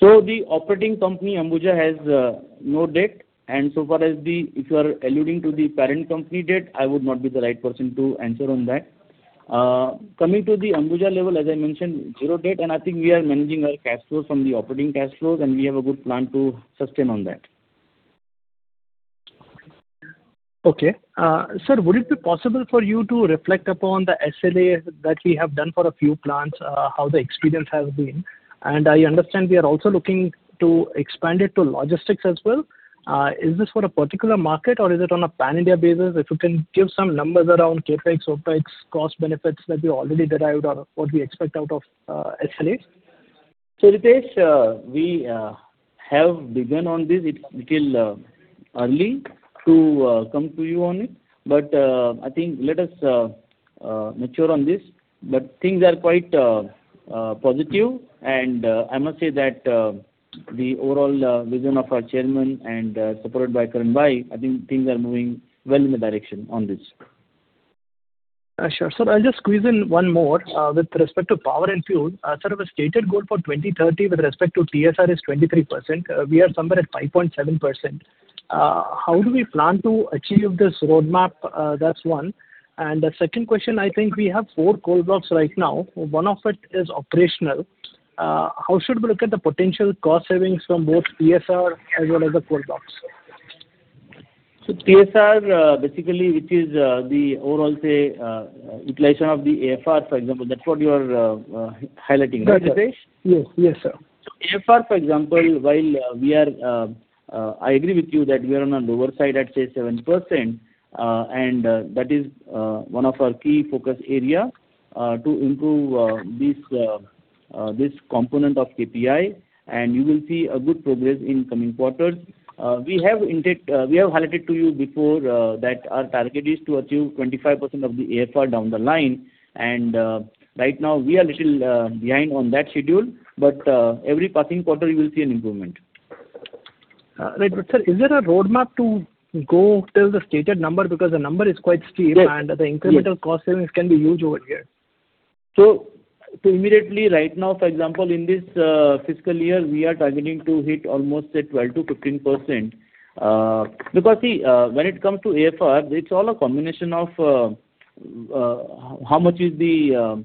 The operating company, Ambuja, has no debt and so far as if you are alluding to the parent company debt, I would not be the right person to answer on that. Coming to the Ambuja level, as I mentioned, zero debt and I think we are managing our cash flow from the operating cash flows and we have a good plan to sustain on that. Okay. Sir, would it be possible for you to reflect upon the SLAs that we have done for a few plants, how the experience has been? I understand we are also looking to expand it to logistics as well. Is this for a particular market or is it on a pan-India basis? If you can give some numbers around CapEx, OpEx, cost benefits that we already derived or what we expect out of SLAs. Ritesh, we have begun on this. It's little early to come to you on it. I think let us mature on this. Things are quite positive and I must say that the overall vision of our chairman and supported by Karan, I think things are moving well in the direction on this. Sure. Sir, I'll just squeeze in one more. With respect to power and fuel, sir, our stated goal for 2030 with respect to TSR is 23%. We are somewhere at 5.7%. How do we plan to achieve this roadmap? That's one. The second question, I think we have four coal blocks right now. One of it is operational. How should we look at the potential cost savings from both PSR as well as the coal blocks? PSR, basically it is the overall utilization of the AFR, for example. That's what you are highlighting, right? Yes, sir. AFR, for example, I agree with you that we are on a lower side at 7%, and that is one of our key focus area, to improve this component of KPI, and you will see a good progress in coming quarters. We have highlighted to you before that our target is to achieve 25% of the AFR down the line, and right now we are little behind on that schedule, but every passing quarter you will see an improvement. Right. Sir, is there a roadmap to go till the stated number? Because the number is quite steep? Yes The incremental cost savings can be huge over here. Immediately right now, for example, in this fiscal year, we are targeting to hit almost 12%-15%. See, when it comes to AFR, it's all a combination of how much is the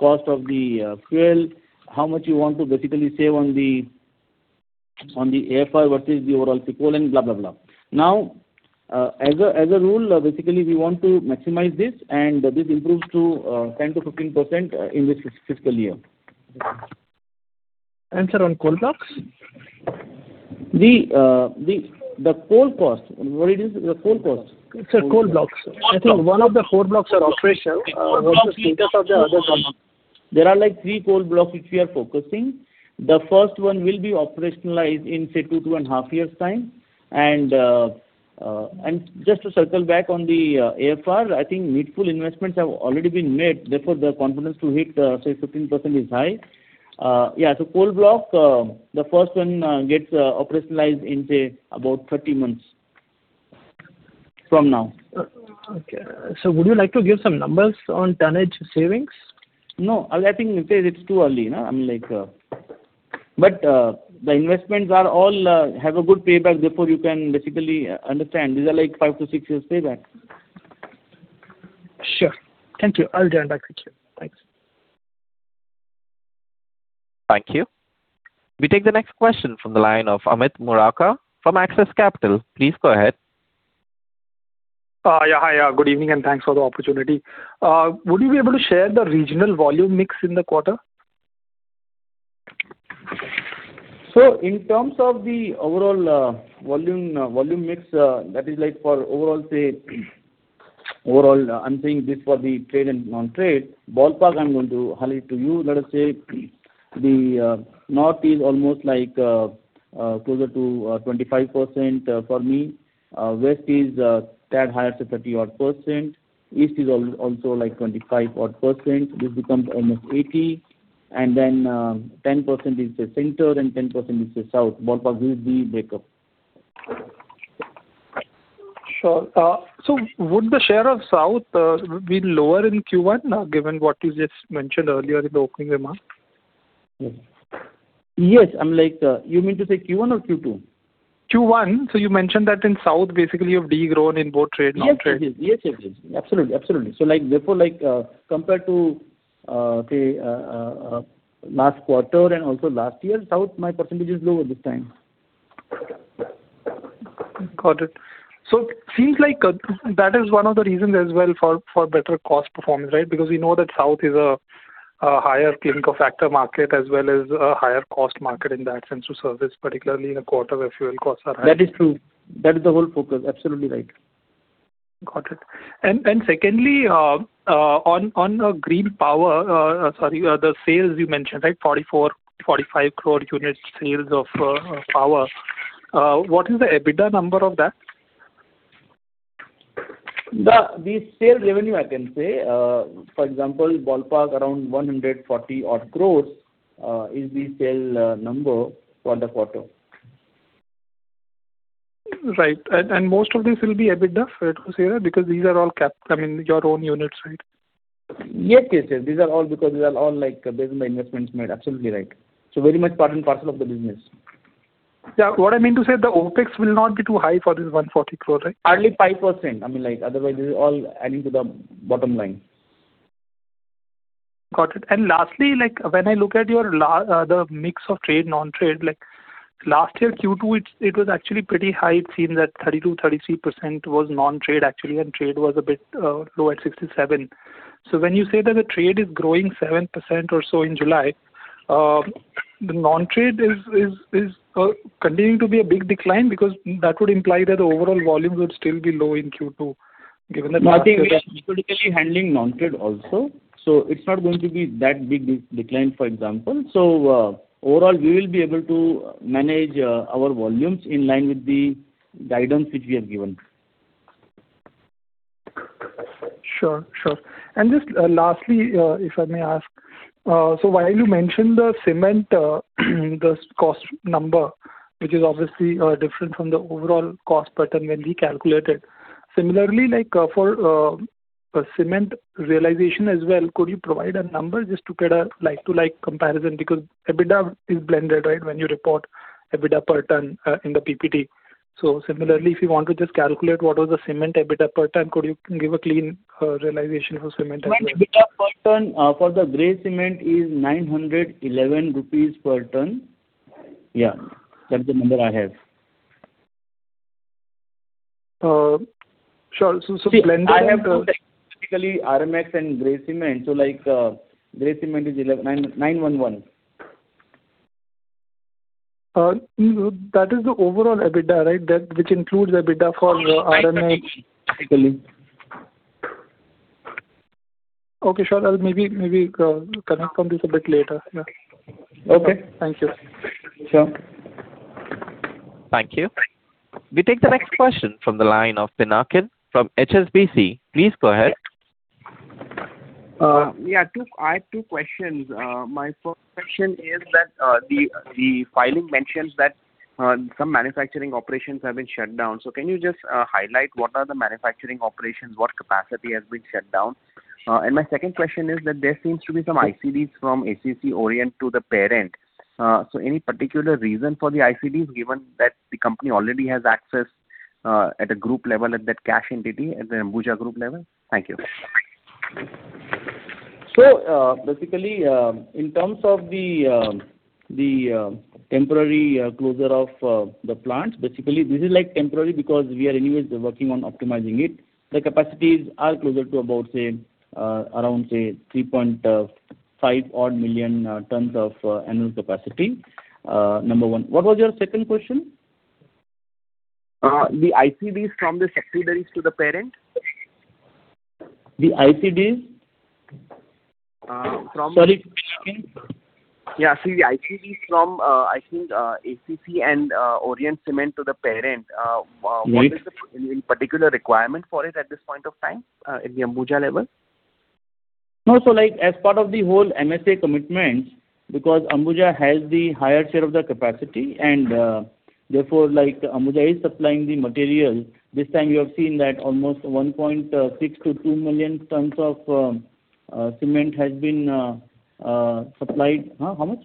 cost of the fuel, how much you want to save on the AFR versus the overall CCOL and blah, blah. As a rule, basically we want to maximize this, and this improves to 10%-15% in this fiscal year. Sir, on coal blocks? The coal cost. What it is? The coal cost. Sir, coal blocks. I think one of the coal blocks are operational. What is the status of the other ones? There are three coal blocks which we are focusing. The first one will be operationalized in 2 years-2.5 years time. Just to circle back on the AFR, I think needful investments have already been made, therefore, the confidence to hit 15% is high. Coal block, the first one gets operationalized in about 30 months from now. Okay. Sir, would you like to give some numbers on tonnage savings? I think it's too early. The investments all have a good payback, therefore, you can basically understand these are five to six years payback. Sure. Thank you. I'll join back with you. Thanks. Thank you. We take the next question from the line of Amit Murarka from Axis Capital. Please go ahead. Hi. Good evening. Thanks for the opportunity. Would you be able to share the regional volume mix in the quarter? In terms of the overall volume mix, that is like for overall, I am saying this for the trade and non-trade, ballpark I am going to highlight to you. Let us say, the North is almost closer to 25% for me. West is a tad higher to 30-odd%. East is also like 25-odd%. This becomes almost 80%. Then 10% is the Center and 10% is the South. Ballpark will be breakup. Sure. Would the share of South be lower in Q1, given what you just mentioned earlier in the opening remarks? Yes. You mean to say Q1 or Q2? Q1. You mentioned that in South basically you have de-grown in both trade, non-trade. Yes. Absolutely. Therefore, compared to last quarter and also last year, South my percentage is low at this time. Got it. Seems like that is one of the reasons as well for better cost performance, right? Because we know that South is a higher clinker factor market as well as a higher cost market in that sense to service, particularly in a quarter where fuel costs are high. That is true. That is the whole focus. Absolutely right. Got it. Secondly, on green power. Sorry, the sales you mentioned, right? 44 crore, 45 crore units sales of power. What is the EBITDA number of that? The sales revenue, I can say. For example, ballpark around 140 odd crores is the sale number for the quarter. Right. Most of this will be EBITDA, fair to say, because these are all your own units, right? Yes. These are all because these are all business by investments made. Absolutely right. Very much part and parcel of the business. What I mean to say, the OpEx will not be too high for this 140 crore, right? Hardly 5%. Otherwise, this is all adding to the bottom line. Got it. Lastly, when I look at the mix of trade, non-trade, last year Q2 it was actually pretty high. It seemed that 32%, 33% was non-trade actually, and trade was a bit low at 67%. When you say that the trade is growing 7% or so in July, the non-trade is continuing to be a big decline because that would imply that the overall volumes would still be low in Q2 given that last year. I think we are strategically handling non-trade also. It's not going to be that big decline, for example. Overall, we will be able to manage our volumes in line with the guidance which we have given. Sure. Just lastly, if I may ask, while you mentioned the cement cost number, which is obviously different from the overall cost pattern when we calculate it. Similarly, for cement realization as well, could you provide a number just to get a like-to-like comparison? Because EBITDA is blended, right? When you report EBITDA per ton in the PPT. Similarly, if you want to just calculate what was the cement EBITDA per ton, could you give a clean realization for cement as well? Cement EBITDA per ton for the gray cement is 911 rupees per ton. Yeah. That's the number I have. Sure. See, I have told basically RMX and gray cement. Gray cement is 911 rupees. That is the overall EBITDA, right? Which includes EBITDA for RMX. Right. Basically. Okay, sure. Maybe connect on this a bit later. Yeah. Okay. Thank you. Sure. Thank you. We take the next question from the line of Pinakin from HSBC. Please go ahead. I have two questions. My first question is that the filing mentions that some manufacturing operations have been shut down. Can you just highlight what are the manufacturing operations, what capacity has been shut down? My second question is that there seems to be some ICDs from ACC Orient to the parent. Any particular reason for the ICDs, given that the company already has access at a group level at that cash entity at the Ambuja Group level? Thank you. In terms of the temporary closure of the plants, basically this is temporary because we are anyways working on optimizing it. The capacities are closer to around 3.5 odd million tons of annual capacity. Number one. What was your second question? The ICDs from the subsidiaries to the parent. The ICDs? From- Sorry, can you repeat? Yeah. See, the ICDs from, I think, ACC and Orient Cement to the parent- Yes What is the particular requirement for it at this point of time at the Ambuja level? No. As part of the whole MSA commitments, because Ambuja has the higher share of the capacity and therefore Ambuja is supplying the material. This time you have seen that almost 1.6 million-2 million tons of cement has been supplied. How much?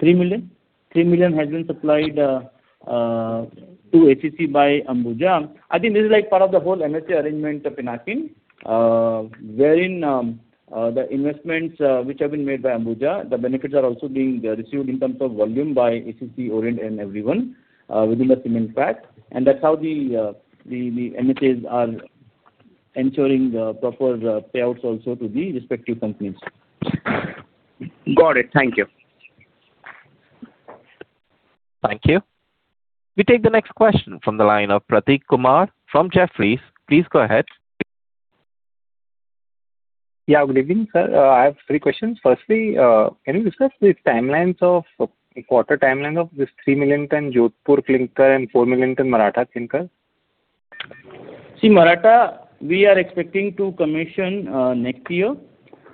3 million? 3 million has been supplied to ACC by Ambuja. I think this is part of the whole MSA arrangement, Pinakin, wherein the investments which have been made by Ambuja, the benefits are also being received in terms of volume by ACC, Orient, and everyone within the cement pack, and that's how the MSAs are ensuring the proper payouts also to the respective companies. Got it. Thank you. Thank you. We take the next question from the line of Prateek Kumar from Jefferies. Please go ahead. Yeah. Good evening, sir. I have three questions. Firstly, can you discuss the quarter timeline of this 3 million tons Jodhpur clinker and 4 million tons Maratha clinker? Maratha, we are expecting to commission next year.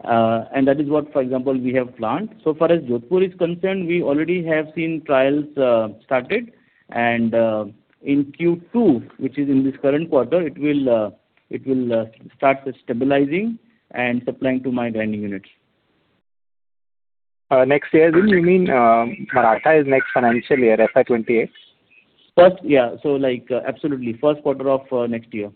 That is what, for example, we have planned. So far as Jodhpur is concerned, we already have seen trials started. In Q2, which is in this current quarter, it will start stabilizing and supplying to my grinding units. Next year, do you mean Maratha is next financial year, FY 2028? Yeah. Absolutely. First quarter of next year.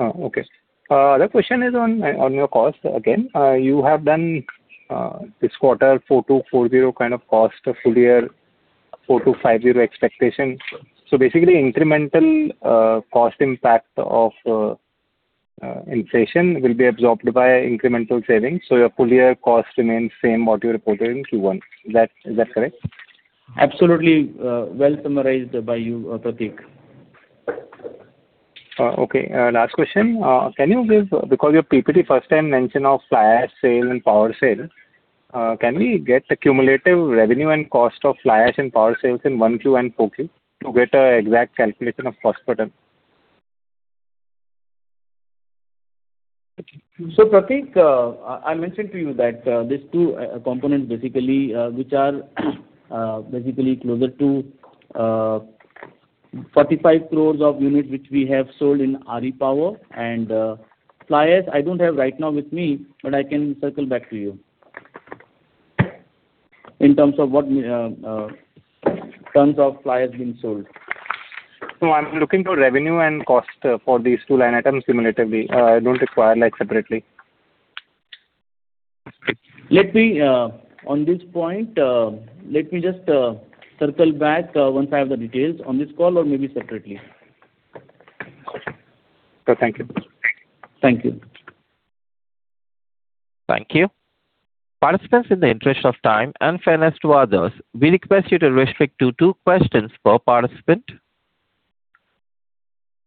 Okay. The other question is on your cost again. You have done this quarter 4,240 kind of cost, a full-year 4,250 expectation. Basically incremental cost impact of inflation will be absorbed by incremental savings, your full-year cost remains same what you reported in Q1. Is that correct? Absolutely. Well summarized by you, Prateek. Okay. Last question. Because your PPT first time mention of fly ash sale and power sale, can we get the cumulative revenue and cost of fly ash and power sales in 1Q and 4Q to get an exact calculation of cost per ton? Prateek, I mentioned to you that these two components basically, which are closer to 45 crore of unit which we have sold in RE power and fly ash, I don't have right now with me, but I can circle back to you in terms of what tons of fly ash being sold. No, I'm looking for revenue and cost for these two line items cumulatively. I don't require separately. On this point, let me just circle back once I have the details on this call or maybe separately. Sure. Thank you. Thank you. Thank you. Participants, in the interest of time and fairness to others, we request you to restrict to two questions per participant.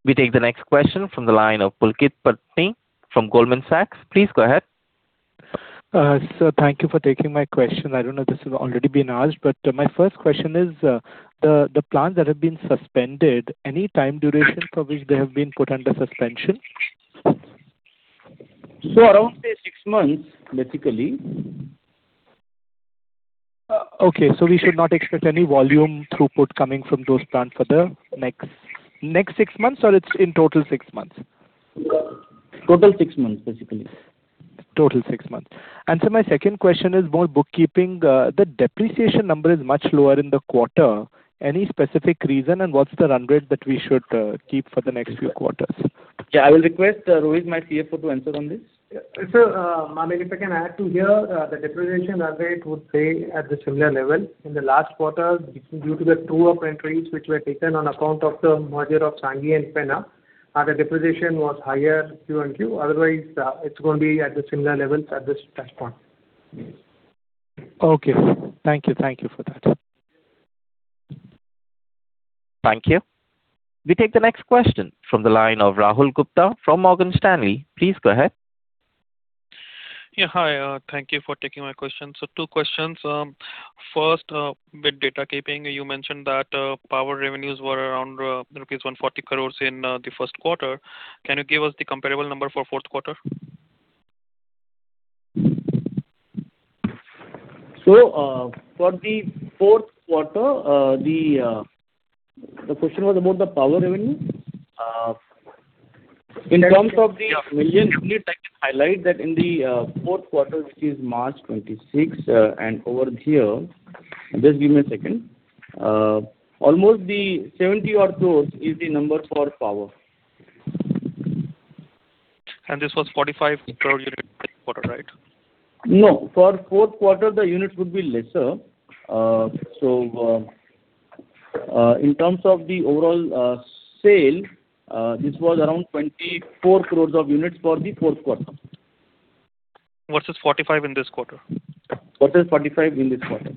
We take the next question from the line of Pulkit Patni from Goldman Sachs. Please go ahead. Sir, thank you for taking my question. I don't know if this has already been asked, but my first question is, the plants that have been suspended, any time duration for which they have been put under suspension? Around, say, six months, basically. Okay, we should not expect any volume throughput coming from those plants for the next six months, or it's in total six months? Total six months, basically. Total six months. My second question is more bookkeeping. The depreciation number is much lower in the quarter. Any specific reason, and what's the run rate that we should keep for the next few quarters? Yeah, I will request Rohit, my CFO, to answer on this. Sir, if I can add to here, the depreciation run rate would stay at the similar level. In the last quarter, due to the true-up entries which were taken on account of the merger of Sanghi and Penna, the depreciation was higher Q-on-Q. Otherwise, it's going to be at the similar levels at this point. Okay. Thank you for that. Thank you. We take the next question from the line of Rahul Gupta from Morgan Stanley. Please go ahead. Yeah, hi. Thank you for taking my questions. Two questions. First, with data keeping, you mentioned that power revenues were around rupees 140 crores in the first quarter. Can you give us the comparable number for fourth quarter? For the fourth quarter, the question was about the power revenue? In terms of the million units, I can highlight that in the fourth quarter, which is March 2026, over here, almost 70 or close is the number for power. This was 45 crore units this quarter, right? No. For fourth quarter, the units would be lesser. In terms of the overall sale, this was around 24 crore units for the fourth quarter. Versus 45 in this quarter? Versus 45 in this quarter.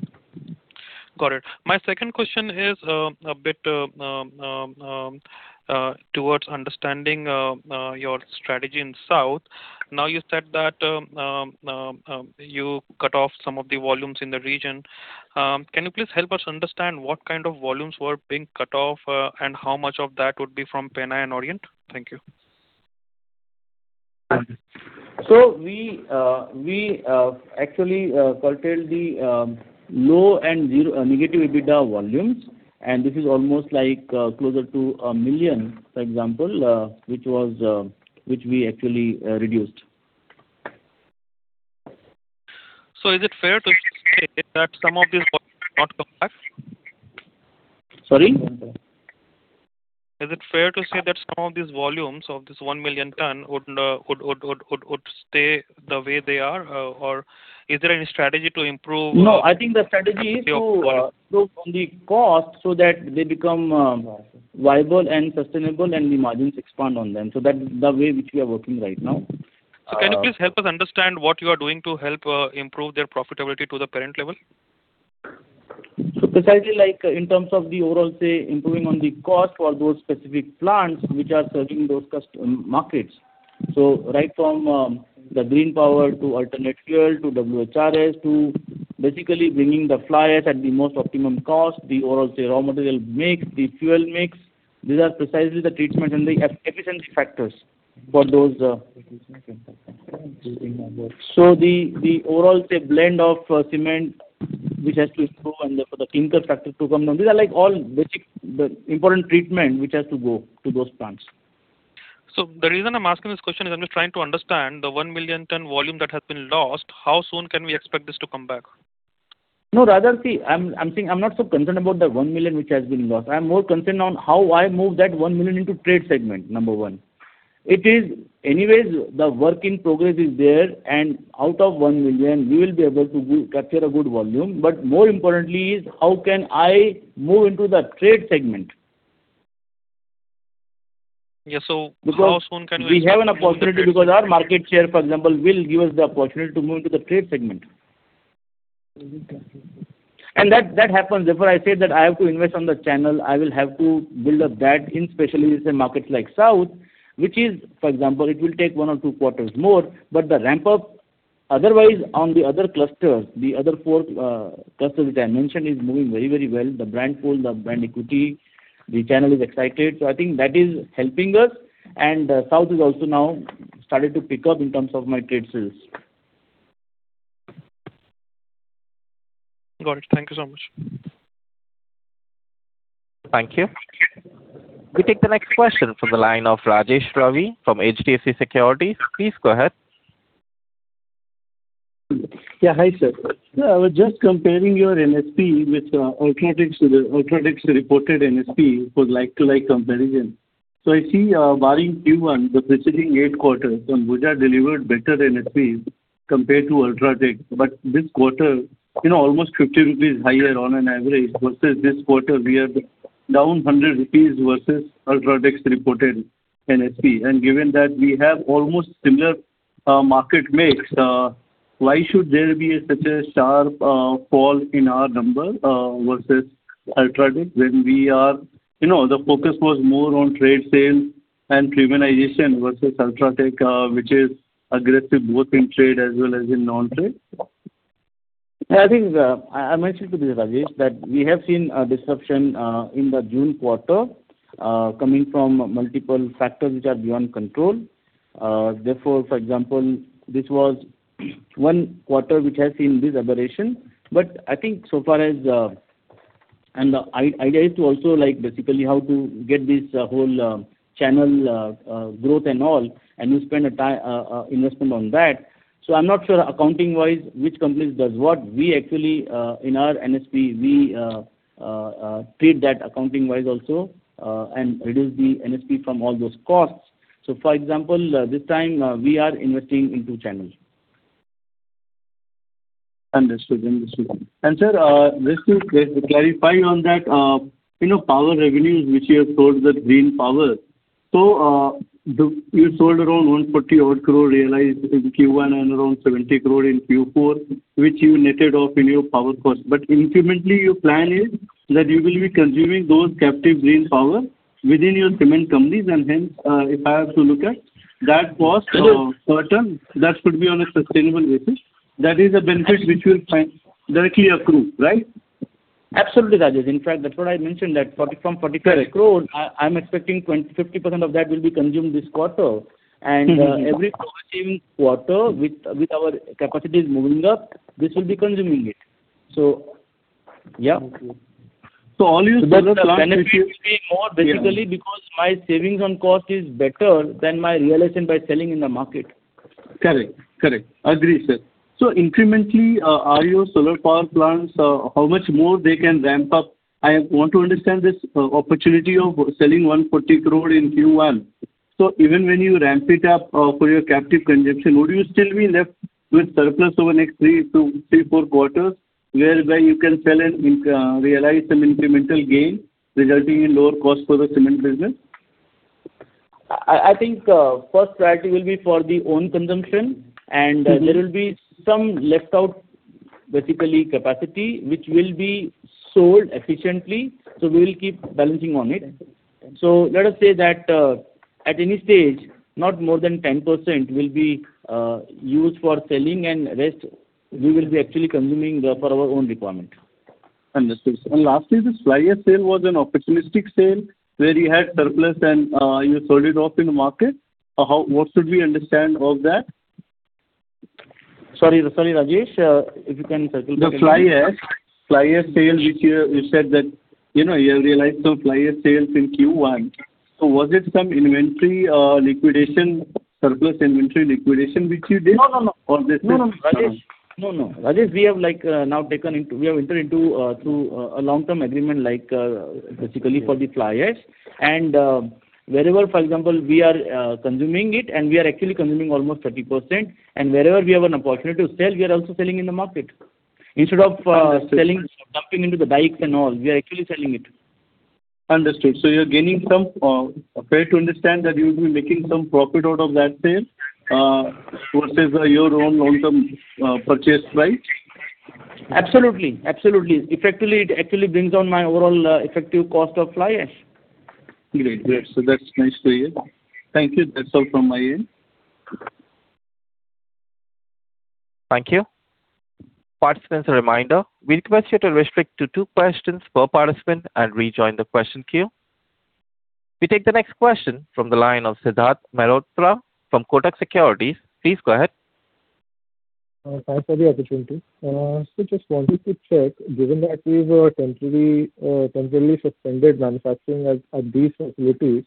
Got it. My second question is a bit towards understanding your strategy in South. You said that you cut off some of the volumes in the region. Can you please help us understand what kind of volumes were being cut off and how much of that would be from Penna and Orient? Thank you. We actually curtailed the low and negative EBITDA volumes, and this is almost closer to 1 million, for example, which we actually reduced. Is it fair to say that some of these volumes not come back? Sorry? Is it fair to say that some of these volumes, of this 1 million tonne, would stay the way they are, or is there any strategy to improve? No, I think the strategy is to improve on the cost so that they become viable and sustainable and the margins expand on them. That's the way which we are working right now. Can you please help us understand what you are doing to help improve their profitability to the current level? Precisely, in terms of the overall, say, improving on the cost for those specific plants which are serving those markets. Right from the green power to alternate fuel to WHRS to basically bringing the fly ash at the most optimum cost, the overall raw material mix, the fuel mix. These are precisely the treatment and the efficiency factors for those. The overall blend of cement, which has to improve and for the clinker factor to come down. These are all basic, important treatment which has to go to those plants. The reason I'm asking this question is I'm just trying to understand the 1 million tonne volume that has been lost, how soon can we expect this to come back? No, rather, see, I'm not so concerned about the 1 million which has been lost. I'm more concerned on how I move that 1 million into trade segment, number one. Anyways, the work in progress is there, and out of 1 million, we will be able to capture a good volume. More importantly is how can I move into the trade segment. Yeah, how soon can we- We have an opportunity because our market share, for example, will give us the opportunity to move into the trade segment. That happens. I say that I have to invest on the channel. I will have to build up that, in specially, say, markets like South. For example, it will take one or two quarters more, the ramp-up, otherwise on the other clusters, the other four clusters which I mentioned is moving very well. The brand pull, the brand equity, the channel is excited. I think that is helping us, and South is also now starting to pick up in terms of my trade sales. Got it. Thank you so much. Thank you. We take the next question from the line of Rajesh Ravi from HDFC Securities. Please go ahead. Yeah. Hi, sir. I was just comparing your NSP with UltraTech's reported NSP for like-to-like comparison. I see barring Q1, the preceding eight quarters from Ambuja delivered better NSPs compared to UltraTech. This quarter, almost 50 rupees higher on an average versus this quarter, we are down 100 rupees versus UltraTech's reported NSP. Given that we have almost similar market mix, why should there be such a sharp fall in our number versus UltraTech when the focus was more on trade sales and pre-cementization versus UltraTech, which is aggressive both in trade as well as in non-trade. I think I mentioned to you, Rajesh, that we have seen a disruption in the June quarter coming from multiple factors which are beyond control. Therefore, for example, this was one quarter which has seen this aberration. The idea is to also basically how to get this whole channel growth and all, and you spend investment on that. I'm not sure accounting-wise which company does what. We actually, in our NSP, we treat that accounting-wise also, and reduce the NSP from all those costs. For example, this time we are investing into channels. Understood. Sir, just to clarify on that, power revenues which you have sold, the green power. You sold around 140 odd crore realized in Q1 and around 70 crore in Q4, which you netted off in your power cost. Incrementally, your plan is that you will be consuming those captive green power within your cement companies, and hence, if I have to look at that cost per ton, that could be on a sustainable basis. That is a benefit which will directly accrue, right? Absolutely, Rajesh. In fact, that's what I mentioned that from 40 crore- Correct I'm expecting 50% of that will be consumed this quarter. Every quarter with our capacities moving up, this will be consuming it. Yes. Okay. All these solar power plants which- The benefit will be more basically because my savings on cost is better than my realization by selling in the market. Correct. Agree, sir. Incrementally, are your solar power plants, how much more they can ramp up? I want to understand this opportunity of selling 140 crore in Q1. Even when you ramp it up for your captive consumption, would you still be left with surplus over next three to four quarters, whereby you can sell and realize some incremental gain resulting in lower cost for the cement business? I think, first priority will be for the own consumption, and there will be some left out basically capacity, which will be sold efficiently. We will keep balancing on it. Understood. Let us say that, at any stage, not more than 10% will be used for selling and rest we will be actually consuming for our own requirement. Understood, sir. Lastly, this fly ash sale was an opportunistic sale where you had surplus and you sold it off in the market? What should we understand of that? Sorry, Rajesh. If you can circulate that. The fly ash sale, which you said that you have realized some fly ash sales in Q1. Was it some inventory liquidation, surplus inventory liquidation which you did? No. Or this is- No, Rajesh. We have now entered into a long-term agreement, basically for the fly ash. Wherever, for example, we are consuming it, and we are actually consuming almost 30%, and wherever we have an opportunity to sell, we are also selling in the market. Understood selling or dumping into the dikes and all, we are actually selling it. Understood. You're gaining some, fair to understand that you'll be making some profit out of that sale versus your own long-term purchase price? Absolutely. Effectively it actually brings down my overall effective cost of fly ash. Great. That's nice to hear. Thank you. That's all from my end. Thank you. Participants, a reminder, we request you to restrict to two questions per participant and rejoin the question queue. We take the next question from the line of Siddharth Malhotra from Kotak Securities. Please go ahead. Thanks for the opportunity. Sir, just wanted to check, given that you've temporarily suspended manufacturing at these facilities.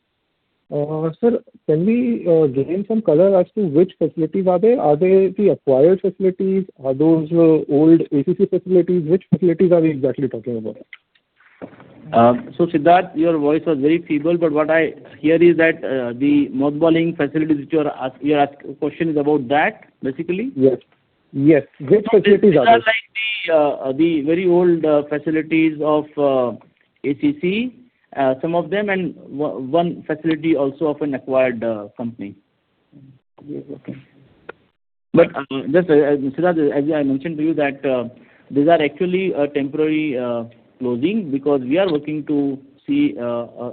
Sir, can we gain some color as to which facilities are they? Are they the acquired facilities? Are those old ACC facilities? Which facilities are we exactly talking about? Siddharth, your voice was very feeble, but what I hear is that the mothballing facilities, you're asking a question is about that, basically? Yes. Which facilities are those? These are like the very old facilities of ACC, some of them, and one facility also of an acquired company. Okay. Just, Siddharth, as I mentioned to you that these are actually a temporary closing because we are looking to see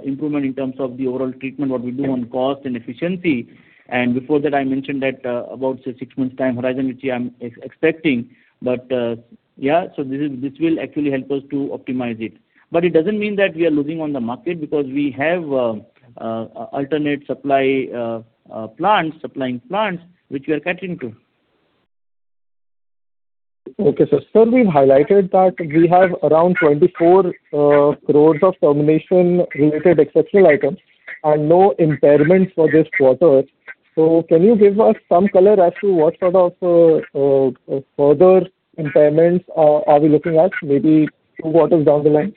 improvement in terms of the overall treatment, what we do on cost and efficiency. Before that, I mentioned that about say 6 months time horizon, which I'm expecting. Yeah, so this will actually help us to optimize it. It doesn't mean that we are losing on the market because we have alternate supplying plants which we are catering to. Okay, sir. Sir, we've highlighted that we have around 24 crores of termination-related exceptional items and no impairments for this quarter. Can you give us some color as to what sort of further impairments are we looking at maybe two quarters down the line?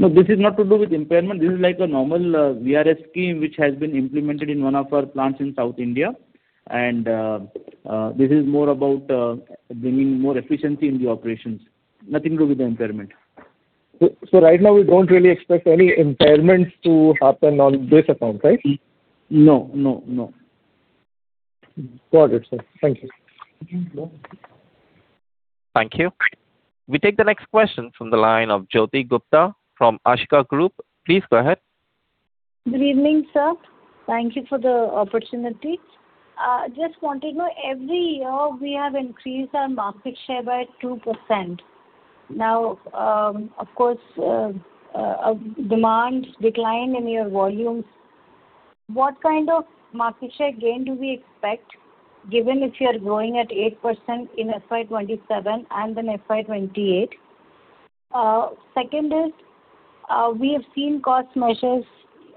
No, this is not to do with impairment. This is like a normal VRS scheme which has been implemented in one of our plants in South India. This is more about bringing more efficiency in the operations. Nothing to do with the impairment. Right now we don't really expect any impairments to happen on this account, right? No. Got it, sir. Thank you. Thank you. Thank you. We take the next question from the line of Jyoti Gupta from Ashika Group. Please go ahead. Good evening, sir. Thank you for the opportunity. Just wanted to know, every year we have increased our market share by 2%. Now, of course, a demand decline in your volumes. What kind of market share gain do we expect given if you're growing at 8% in FY 2027 and then FY 2028? Second is, we have seen cost measures.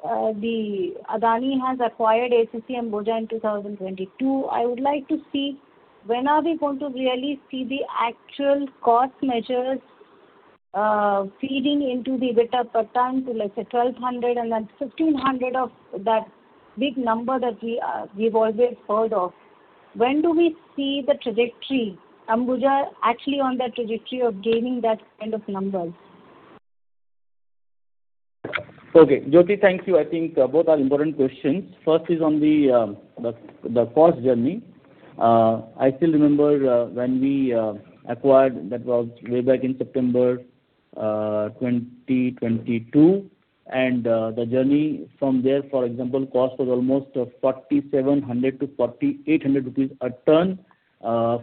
The Adani has acquired ACC Ambuja in 2022. I would like to see when are we going to really see the actual cost measures feeding into the EBITDA per ton to let's say 1,200 and then 1,500 of that big number that we've always heard of. When do we see the trajectory, Ambuja actually on that trajectory of gaining that kind of numbers? Okay. Jyoti, thank you. I think both are important questions. First is on the cost journey. I still remember when we acquired, that was way back in September 2022, and the journey from there, for example, cost was almost 4,700-4,800 rupees a ton. Rather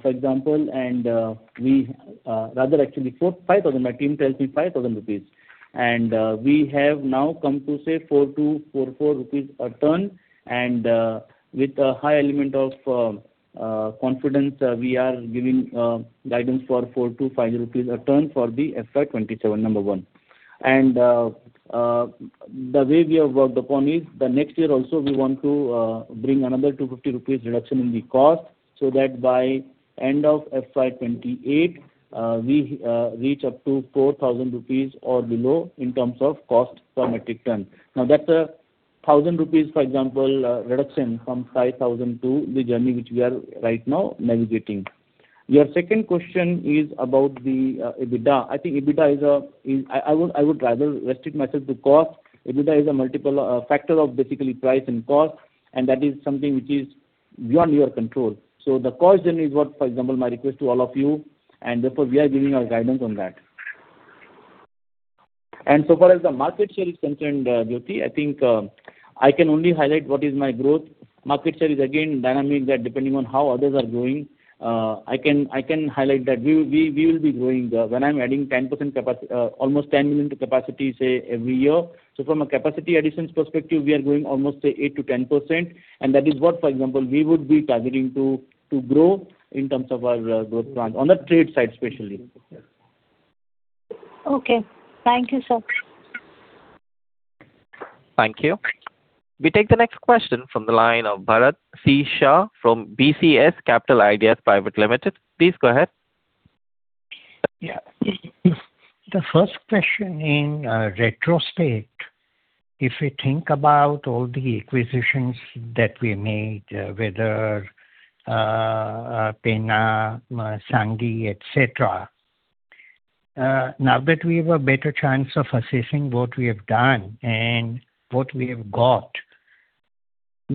actually, 5,000. My team tells me 5,000 rupees. We have now come to say 4,244 rupees a ton and with a high element of confidence, we are giving guidance for 4,250 rupees a ton for the FY 2027, number one. The way we have worked upon is the next year also, we want to bring another 250 rupees reduction in the cost, so that by end of FY 2028, we reach up to 4,000 rupees or below in terms of cost per metric ton. Now, that's an 1,000 rupees, for example, reduction from 5,000 to the journey which we are right now navigating. Your second question is about the EBITDA. I would rather restrict myself to cost. EBITDA is a multiple factor of basically price and cost, and that is something which is beyond your control. The cost journey is what, for example, my request to all of you, and therefore we are giving our guidance on that. So far as the market share is concerned, Jyoti, I think, I can only highlight what is my growth. Market share is again dynamic that depending on how others are growing. I can highlight that we will be growing. When I'm adding almost 10 million to capacity, say, every year. From a capacity additions perspective, we are growing almost, say, 8%-10%, that is what, for example, we would be targeting to grow in terms of our growth plan on the trade side, especially. Okay. Thank you, sir. Thank you. We take the next question from the line of Bharat C. Shah from BCS Capital Ideas Private Limited. Please go ahead. Yeah. The first question in retrospect, if we think about all the acquisitions that we made, whether Penna, Sanghi, et cetera. Now that we have a better chance of assessing what we have done and what we have got,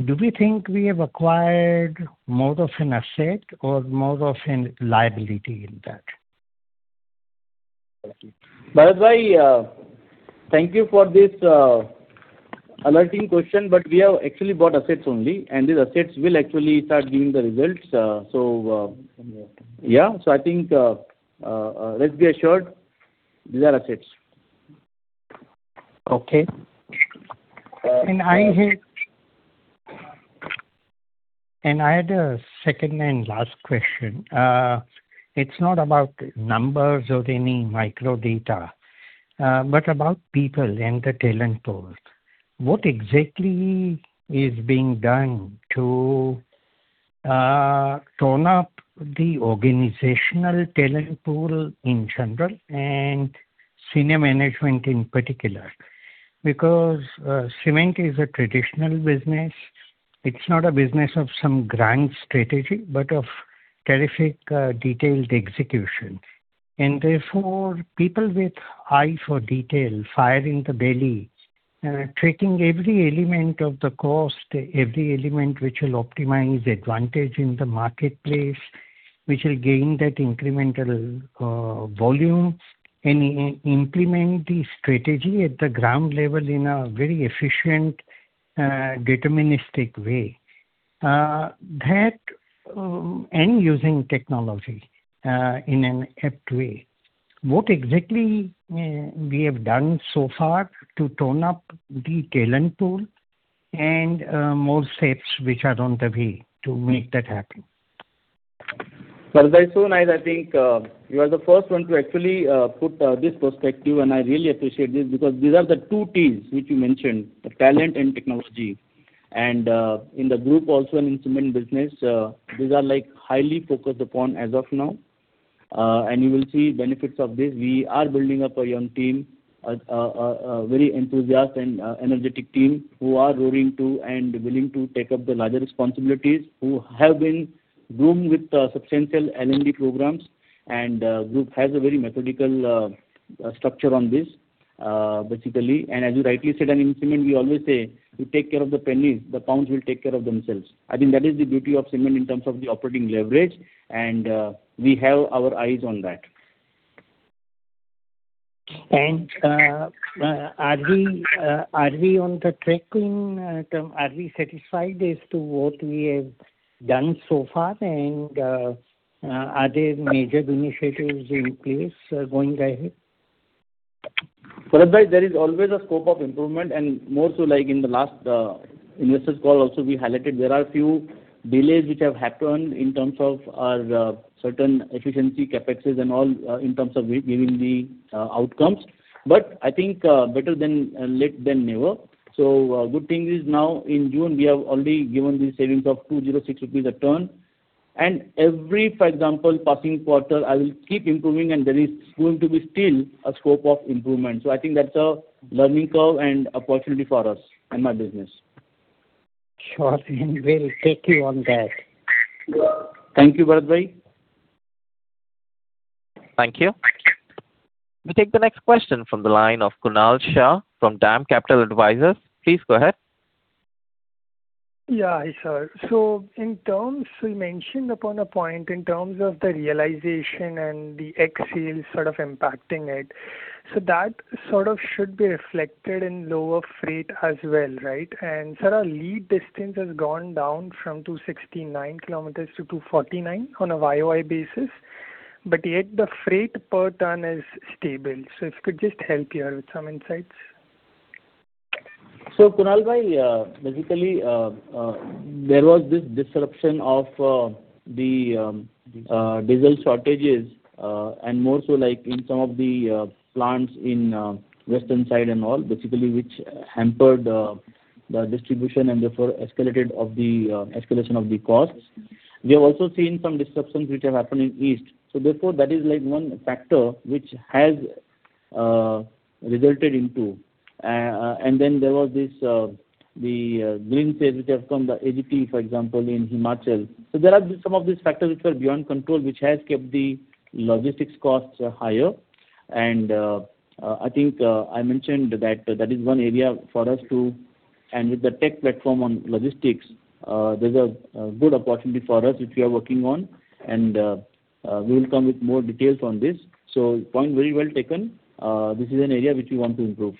do we think we have acquired more of an asset or more of a liability in that? Bharat, thank you for this alerting question. We have actually bought assets only, and these assets will actually start giving the results. Yeah. I think, let's be assured these are assets. Okay. I had a second and last question. It's not about numbers or any micro data, but about people and the talent pool. What exactly is being done to tone up the organizational talent pool in general and senior management in particular? Cement is a traditional business. It's not a business of some grand strategy, but of terrific detailed execution. Therefore, people with eye for detail, fire in the belly, treating every element of the cost, every element which will optimize advantage in the marketplace, which will gain that incremental volume and implement the strategy at the ground level in a very efficient, deterministic way and using technology in an apt way. What exactly we have done so far to tone up the talent pool and more steps which are on the way to make that happen? Bharat, so nice. I think you are the first one to actually put this perspective. I really appreciate this because these are the two Ts which you mentioned, the talent and technology. In the group also in cement business, these are highly focused upon as of now. You will see benefits of this. We are building up a young team, a very enthusiast and energetic team who are raring to and willing to take up the larger responsibilities, who have been groomed with substantial L&D programs. The group has a very methodical structure on this, basically. As you rightly said, in cement, we always say, "You take care of the pennies, the pounds will take care of themselves." I think that is the beauty of cement in terms of the operating leverage. We have our eyes on that. Are we on the tracking term? Are we satisfied as to what we have done so far? Are there major initiatives in place going ahead? Bharat, there is always a scope of improvement and more so, like in the last investors call also we highlighted there are few delays which have happened in terms of our certain efficiency CapEx and all, in terms of giving the outcomes. I think better late than never. A good thing is now in June we have already given the savings of 206 rupees a ton. Every, for example, passing quarter, I will keep improving and there is going to be still a scope of improvement. I think that's a learning curve and opportunity for us in my business. Sure. We'll take you on that. Thank you, Bharat. Thank you. We take the next question from the line of Kunal Shah from DAM Capital Advisors. Please go ahead. Yeah. Hi, sir. You mentioned upon a point in terms of the realization and the excise sort of impacting it. That sort of should be reflected in lower freight as well, right? Sir, our lead distance has gone down from 269 km to 249 km on a YoY basis, but yet the freight per ton is stable. If you could just help here with some insights. Kunal, there was this disruption of the diesel shortages, and more so like in some of the plants in western side and all, which hampered the distribution and therefore escalation of costs. We have also seen some disruptions which have happened in east. Therefore, that is one factor which has resulted in. Then there was the green sales which have come, the AGP, for example, in Himachal. There are some of these factors which are beyond control, which have kept the logistics costs higher. I think I mentioned that is one area for us to. With the tech platform on logistics, there's a good opportunity for us, which we are working on. We will come with more details on this. Point very well taken. This is an area which we want to improve.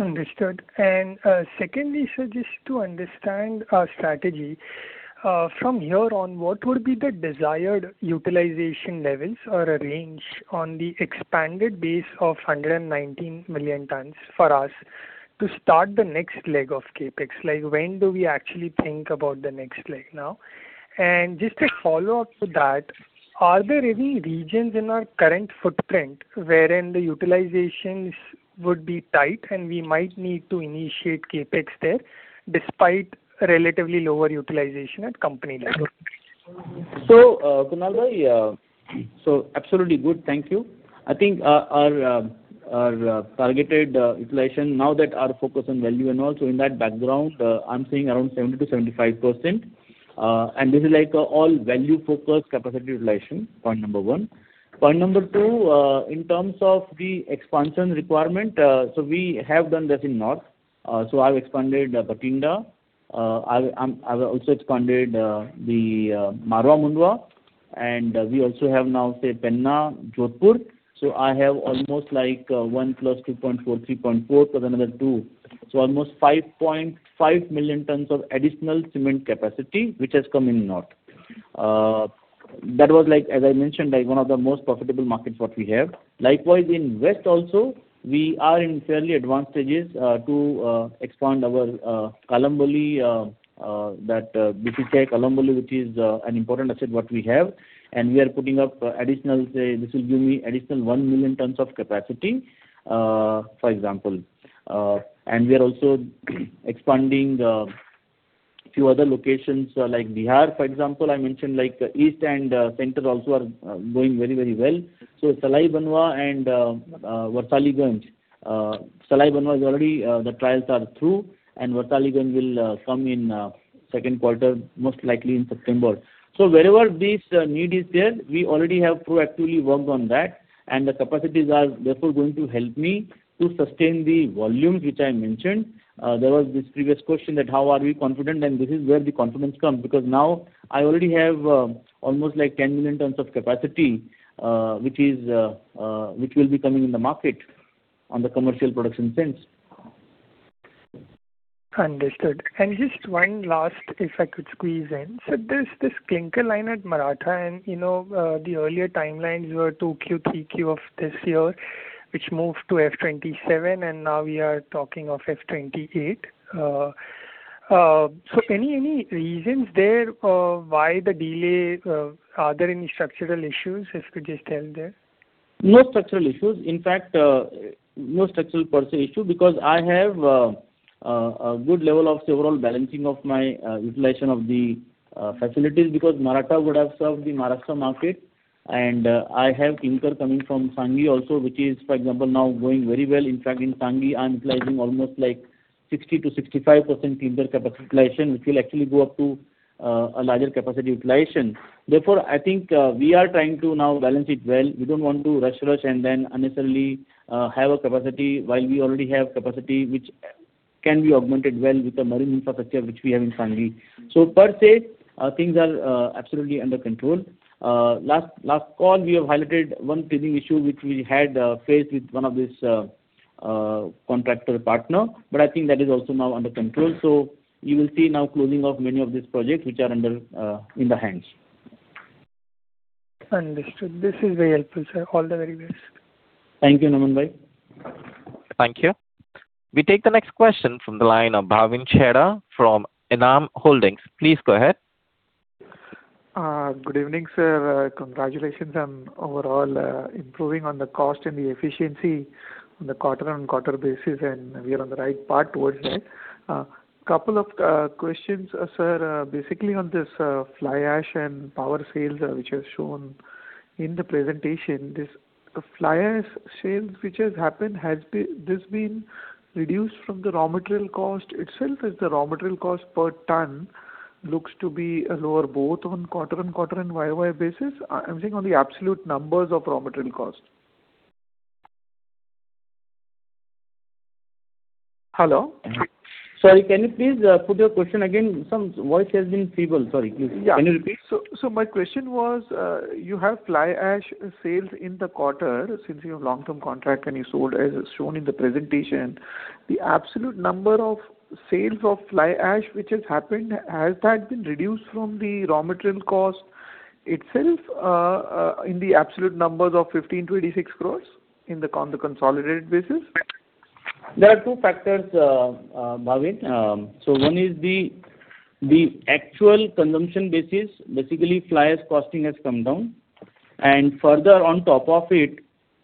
Understood. Secondly, sir, just to understand our strategy. From here on, what would be the desired utilization levels or a range on the expanded base of 119 million tons for us to start the next leg of CapEx? When do we actually think about the next leg now? Just a follow-up to that, are there any regions in our current footprint wherein the utilizations would be tight and we might need to initiate CapEx there despite relatively lower utilization at company level? Kunal. Absolutely good, thank you. I think our targeted utilization now that our focus on value and all. In that background, I'm saying around 70%-75%. This is all value-focused capacity utilization. Point number one. Point number two, in terms of the expansion requirement, we have done that in north. I've expanded Bathinda. I've also expanded the Marwar Mundwa, and we also have now Penna Jodhpur. I have almost like one plus 2.4, 3.4, plus another two. Almost 5.5 million tons of additional cement capacity, which has come in north. That was, as I mentioned, one of the most profitable markets that we have. Likewise, in west also, we are in fairly advanced stages to expand our Kalamboli, that BCCL Kalamboli, which is an important asset that we have. We are putting up additional, this will give me additional 1 million tons of capacity, for example. We are also expanding a few other locations like Bihar, for example. I mentioned east and center also are doing very well. Salai Banwa and Warisaliganj. Salai Banwa is already, the trials are through, and Warisaliganj will come in second quarter, most likely in September. Wherever this need is there, we already have proactively worked on that, and the capacities are therefore going to help me to sustain the volumes which I mentioned. There was this previous question that how are we confident, and this is where the confidence comes, because now I already have almost 10 million tons of capacity, which will be coming in the market on the commercial production sense. Understood. Just one last, if I could squeeze in. There's this clinker line at Maratha, the earlier timelines were 2Q, 3Q of this year, which moved to FY 2027, now we are talking of FY 2028. Any reasons there why the delay? Are there any structural issues? If you could just tell there. No structural issues. In fact, no structural per se issue because I have a good level of overall balancing of my utilization of the facilities because Maratha would have served the Maharashtra market and I have clinker coming from Sanghi also, which is, for example, now going very well. In fact, in Sanghi, I'm utilizing almost 60%-65% clinker capacity utilization, which will actually go up to a larger capacity utilization. I think we are trying to now balance it well. We don't want to rush and then unnecessarily have a capacity while we already have capacity which can be augmented well with the marine infrastructure which we have in Sanghi. Per se, things are absolutely under control. Last call, we have highlighted one payment issue which we had faced with one of this contractor partner. I think that is also now under control. You will see now closing of many of these projects which are in the hands. Understood. This is very helpful, sir. All the very best. Thank you, Kunal. Thank you. We take the next question from the line of Bhavin Chheda from ENAM Holdings. Please go ahead. Good evening, sir. Congratulations on overall improving on the cost and the efficiency on the quarter-on-quarter basis, and we are on the right path towards that. Couple of questions, sir. Basically on this fly ash and power sales which are shown in the presentation. This fly ash sales which has happened, has this been reduced from the raw material cost itself? Has the raw material cost per ton looks to be lower both on quarter-on-quarter and YoY basis? I'm saying on the absolute numbers of raw material cost. Hello? Sorry, can you please put your question again? Some voice has been feeble. Sorry. Can you repeat? My question was, you have fly ash sales in the quarter since you have long-term contract and you sold as shown in the presentation. The absolute number of sales of fly ash which has happened, has that been reduced from the raw material cost itself in the absolute numbers of 15 crores-86 crores in the consolidated basis? There are two factors, Bhavin. One is the actual consumption basis. Basically, fly ash costing has come down, and further on top of it,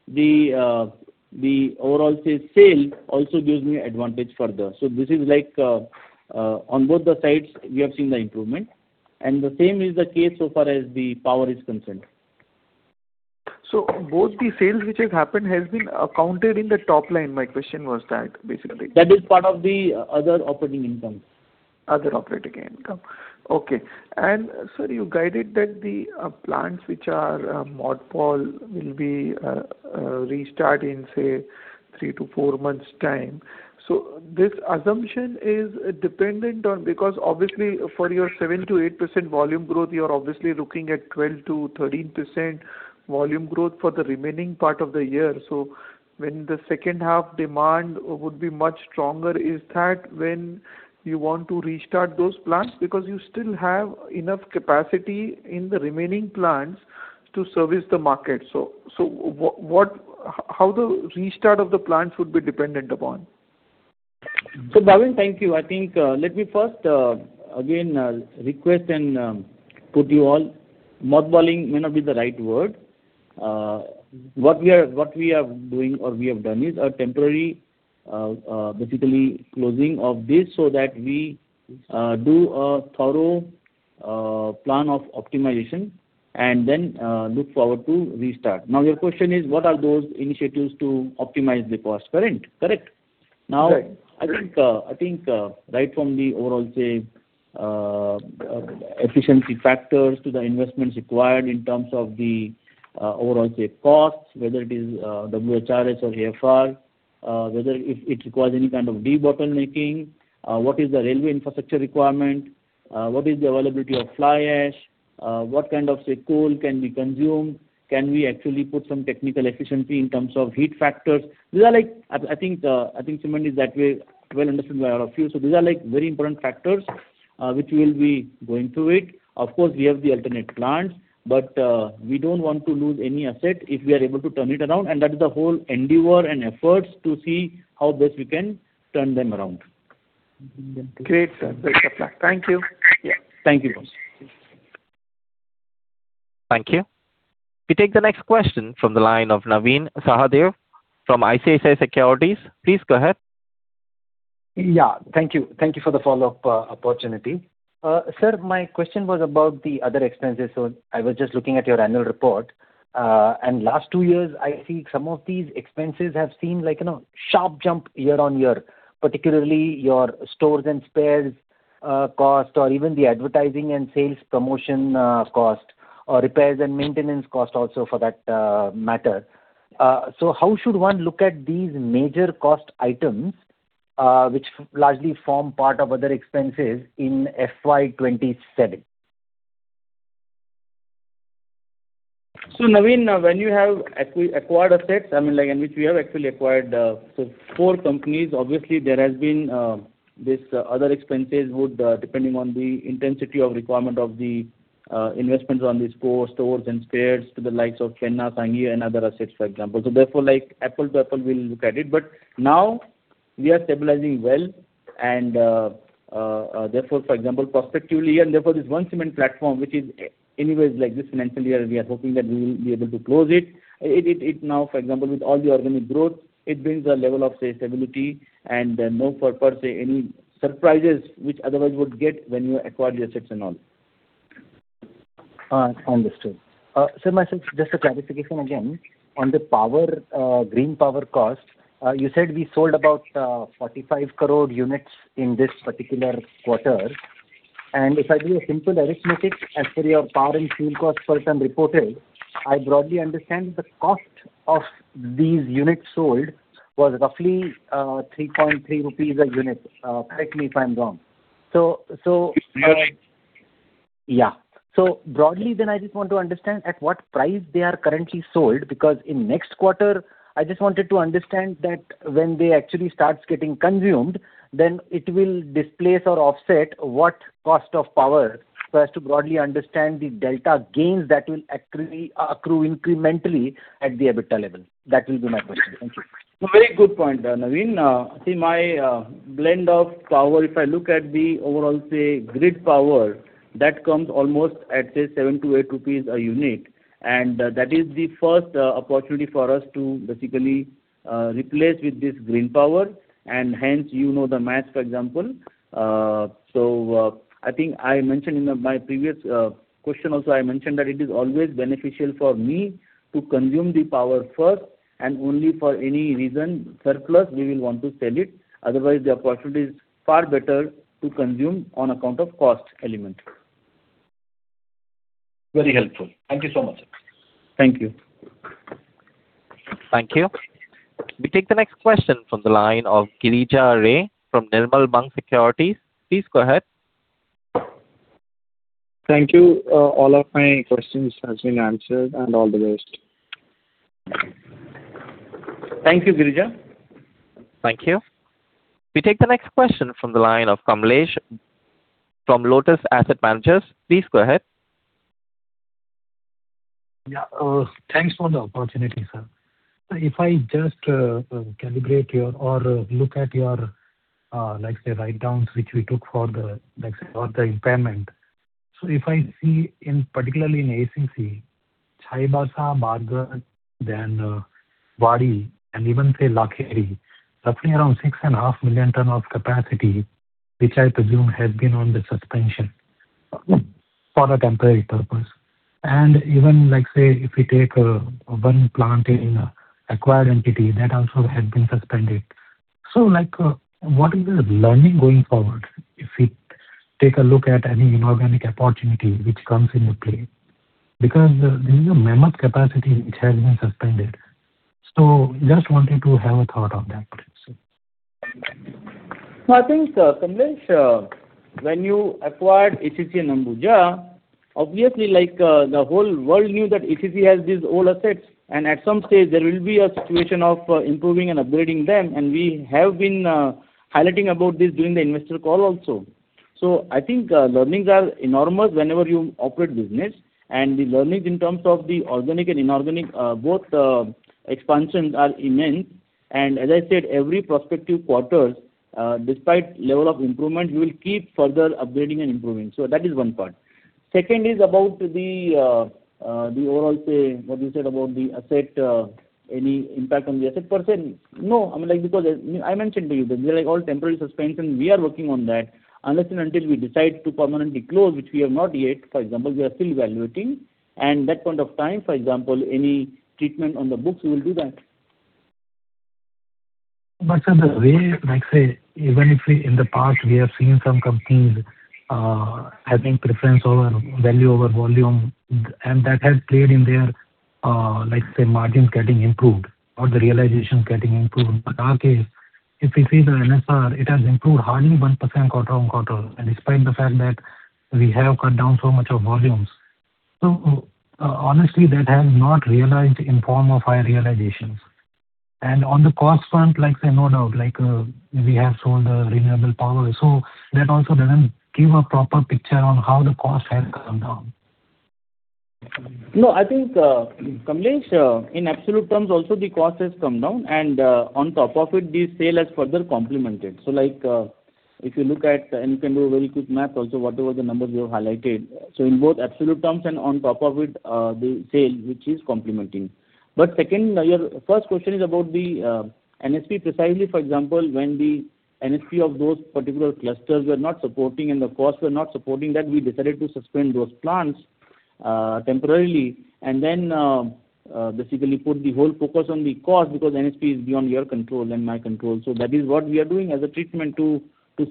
the overall sale also gives me advantage further. This is like on both the sides, we have seen the improvement. The same is the case so far as the power is concerned. Both the sales which has happened has been accounted in the top line. My question was that basically. That is part of the other operating income. Other operating income. Okay. Sir, you guided that the plants which are mothballed will be restart in, say, 3 months-4 months time. This assumption is dependent on, because obviously for your 7%-8% volume growth, you're obviously looking at 12%-13% volume growth for the remaining part of the year. When the second half demand would be much stronger, is that when you want to restart those plants? Because you still have enough capacity in the remaining plants to service the market. How the restart of the plants would be dependent upon? Bhavin, thank you. I think let me first again, request and put you all, mothballing may not be the right word. What we are doing or we have done is a temporary basically closing of this so that we do a thorough plan of optimization and then look forward to restart. Your question is what are those initiatives to optimize the cost, correct? Correct. I think right from the overall, say, efficiency factors to the investments required in terms of the overall, say, costs, whether it is WHRS or AFR, whether it requires any kind of debottlenecking, what is the railway infrastructure requirement, what is the availability of fly ash, what kind of, say, coal can we consume, can we actually put some technical efficiency in terms of heat factors. I think cement is that way well understood by all of you. These are very important factors which we will be going through it. Of course, we have the alternate plants. We don't want to lose any asset if we are able to turn it around, and that is the whole endeavor and efforts to see how best we can turn them around. Great, sir. Best of luck. Thank you. Thank you, Bhavin. Thank you. We take the next question from the line of Navin Sahadeo from ICICI Securities. Please go ahead. Thank you. Thank you for the follow-up opportunity. Sir, my question was about the other expenses. I was just looking at your annual report. Last two years, I see some of these expenses have seen a sharp jump year-on-year, particularly your stores and spares cost or even the advertising and sales promotion cost or repairs and maintenance cost also for that matter. How should one look at these major cost items, which largely form part of other expenses in FY 2027? Navin, when you have acquired assets, I mean, like in which we have actually acquired four companies, obviously there has been this other expenses would, depending on the intensity of requirement of the investments on these core stores and spares to the likes of Penna, Sanghi and other assets, for example. Therefore like apple-to-apple, we'll look at it. But now we are stabilizing well and, therefore, for example, prospectively and therefore this one cement platform which is anyways like this financial year, we are hoping that we will be able to close it. It now, for example, with all the organic growth, it brings a level of, say, stability and no per se any surprises which otherwise would get when you acquire the assets and all. Understood. Sir, just a clarification again. On the green power cost, you said we sold about 45 crore units in this particular quarter. If I do a simple arithmetic as per your power and fuel cost, certain reported, I broadly understand the cost of these units sold was roughly 3.3 rupees a unit. Correct me if I'm wrong. You're right. Yeah. Broadly, I just want to understand at what price they are currently sold, because in next quarter, I just wanted to understand that when they actually starts getting consumed, then it will displace or offset what cost of power so as to broadly understand the delta gains that will accrue incrementally at the EBITDA level. That will be my question. Thank you. Very good point, Navin. My blend of power, if I look at the overall grid power, that comes almost at 7-8 rupees a unit. That is the first opportunity for us to basically replace with this green power, and hence you know the math, for example. I think I mentioned in my previous question also, I mentioned that it is always beneficial for me to consume the power first, and only for any reason surplus, we will want to sell it. Otherwise, the opportunity is far better to consume on account of cost element. Very helpful. Thank you so much. Thank you. Thank you. We take the next question from the line of Girija Ray from Nirmal Bang Securities. Please go ahead. Thank you. All of my questions have been answered and all the best. Thank you, Girija. Thank you. We take the next question from the line of Kamlesh from Lotus Asset Managers. Please go ahead. Thanks for the opportunity, sir. If I just calibrate or look at your, let's say, write-downs, which we took for the impairment. If I see in particularly in ACC, Chaibasa, Bargarh, then Wadi and even say Lakheri, roughly around 6.5 million tons of capacity, which I presume had been on the suspension for a temporary purpose. Even, let's say, if we take one plant in acquired entity, that also had been suspended. What is the learning going forward if we take a look at any inorganic opportunity which comes into play? This is a mammoth capacity which has been suspended. Just wanted to have a thought on that, sir. I think, Kamlesh, when you acquired ACC and Ambuja, obviously, the whole world knew that ACC has these old assets, and at some stage, there will be a situation of improving and upgrading them. We have been highlighting about this during the investor call also. I think learnings are enormous whenever you operate business, and the learnings in terms of the organic and inorganic, both expansions are immense. As I said, every prospective quarters, despite level of improvement, we will keep further upgrading and improving. That is one part. Second is about the overall, say, what you said about the asset, any impact on the asset per se. Because I mentioned to you that they're all temporary suspension. We are working on that. Unless and until we decide to permanently close, which we have not yet, we are still evaluating. That point of time, for example, any treatment on the books, we will do that. Sir, the way, let's say, even if we in the past, we have seen some companies having preference over value over volume, and that has played in their, let's say, margins getting improved or the realization getting improved. Our case, if we see the NSP, it has improved hardly 1% quarter-on-quarter, and despite the fact that we have cut down so much of volumes. Honestly, that has not realized in form of high realizations. On the cost front, like I say, no doubt, we have sold the renewable power. That also doesn't give a proper picture on how the cost has come down. Kamlesh, in absolute terms, also, the cost has come down, and on top of it, the sale has further complemented. If you look at, and you can do a very quick math also, whatever the numbers you have highlighted. In both absolute terms and on top of it, the sale, which is complementing. Second, your first question is about the NSP precisely, for example, when the NSP of those particular clusters were not supporting and the costs were not supporting that we decided to suspend those plants temporarily, and then basically put the whole focus on the cost because NSP is beyond your control and my control. That is what we are doing as a treatment to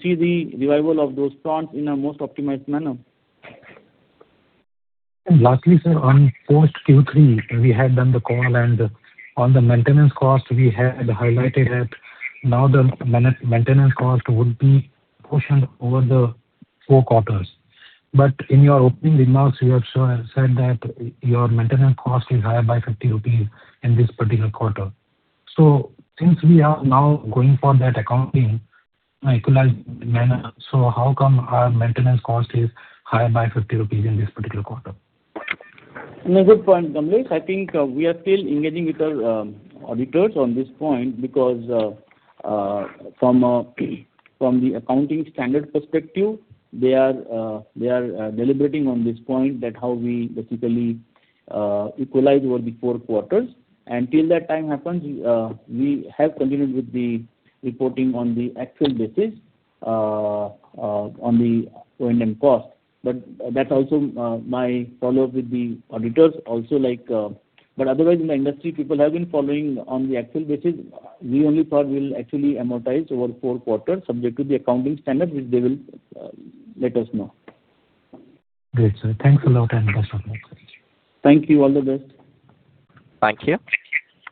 see the revival of those plants in a most optimized manner. Lastly, sir, on post Q3, we had done the call and on the maintenance cost, we had highlighted that now the maintenance cost would be portioned over the four quarters. In your opening remarks, you have said that your maintenance cost is higher by 50 rupees in this particular quarter. Since we are now going for that accounting equalized manner, how come our maintenance cost is higher by 50 rupees in this particular quarter? No, good point, Kamlesh. I think we are still engaging with our auditors on this point because from the accounting standard perspective, they are deliberating on this point that how we basically equalize over the four quarters. Until that time happens, we have continued with the reporting on the actual basis on the O&M cost. That's also my follow-up with the auditors also. Otherwise, in the industry, people have been following on the actual basis. We only thought we'll actually amortize over four quarters subject to the accounting standard, which they will let us know. Great, sir. Thanks a lot and best of luck. Thank you. All the best. Thank you.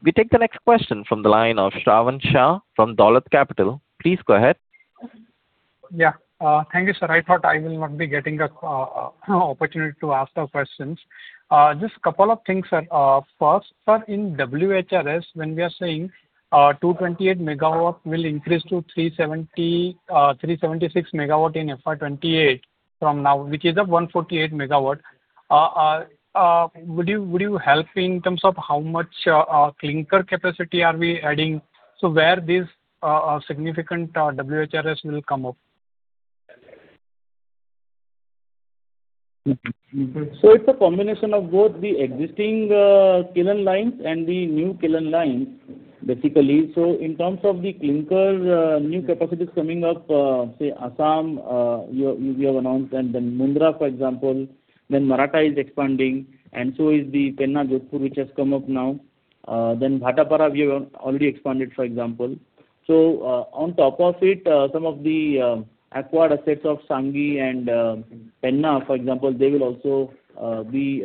We take the next question from the line of Shravan Shah from Dolat Capital. Please go ahead. Yeah. Thank you, sir. I thought I will not be getting an opportunity to ask the questions. Just a couple of things, sir. First, sir, in WHRS, when we are saying 228 MW will increase to 376 MW in FY 2028 from now, which is at 148 MW. Would you help in terms of how much clinker capacity are we adding, so where this significant WHRS will come up? It's a combination of both the existing kiln lines and the new kiln lines, basically. In terms of the clinker, new capacities coming up, say Assam, we have announced, and then Mundra, for example. Then Maratha is expanding, and so is the Penna, Jodhpur, which has come up now. Then Bhatapara, we have already expanded, for example. On top of it, some of the acquired assets of Sanghi and Penna, for example, they will also be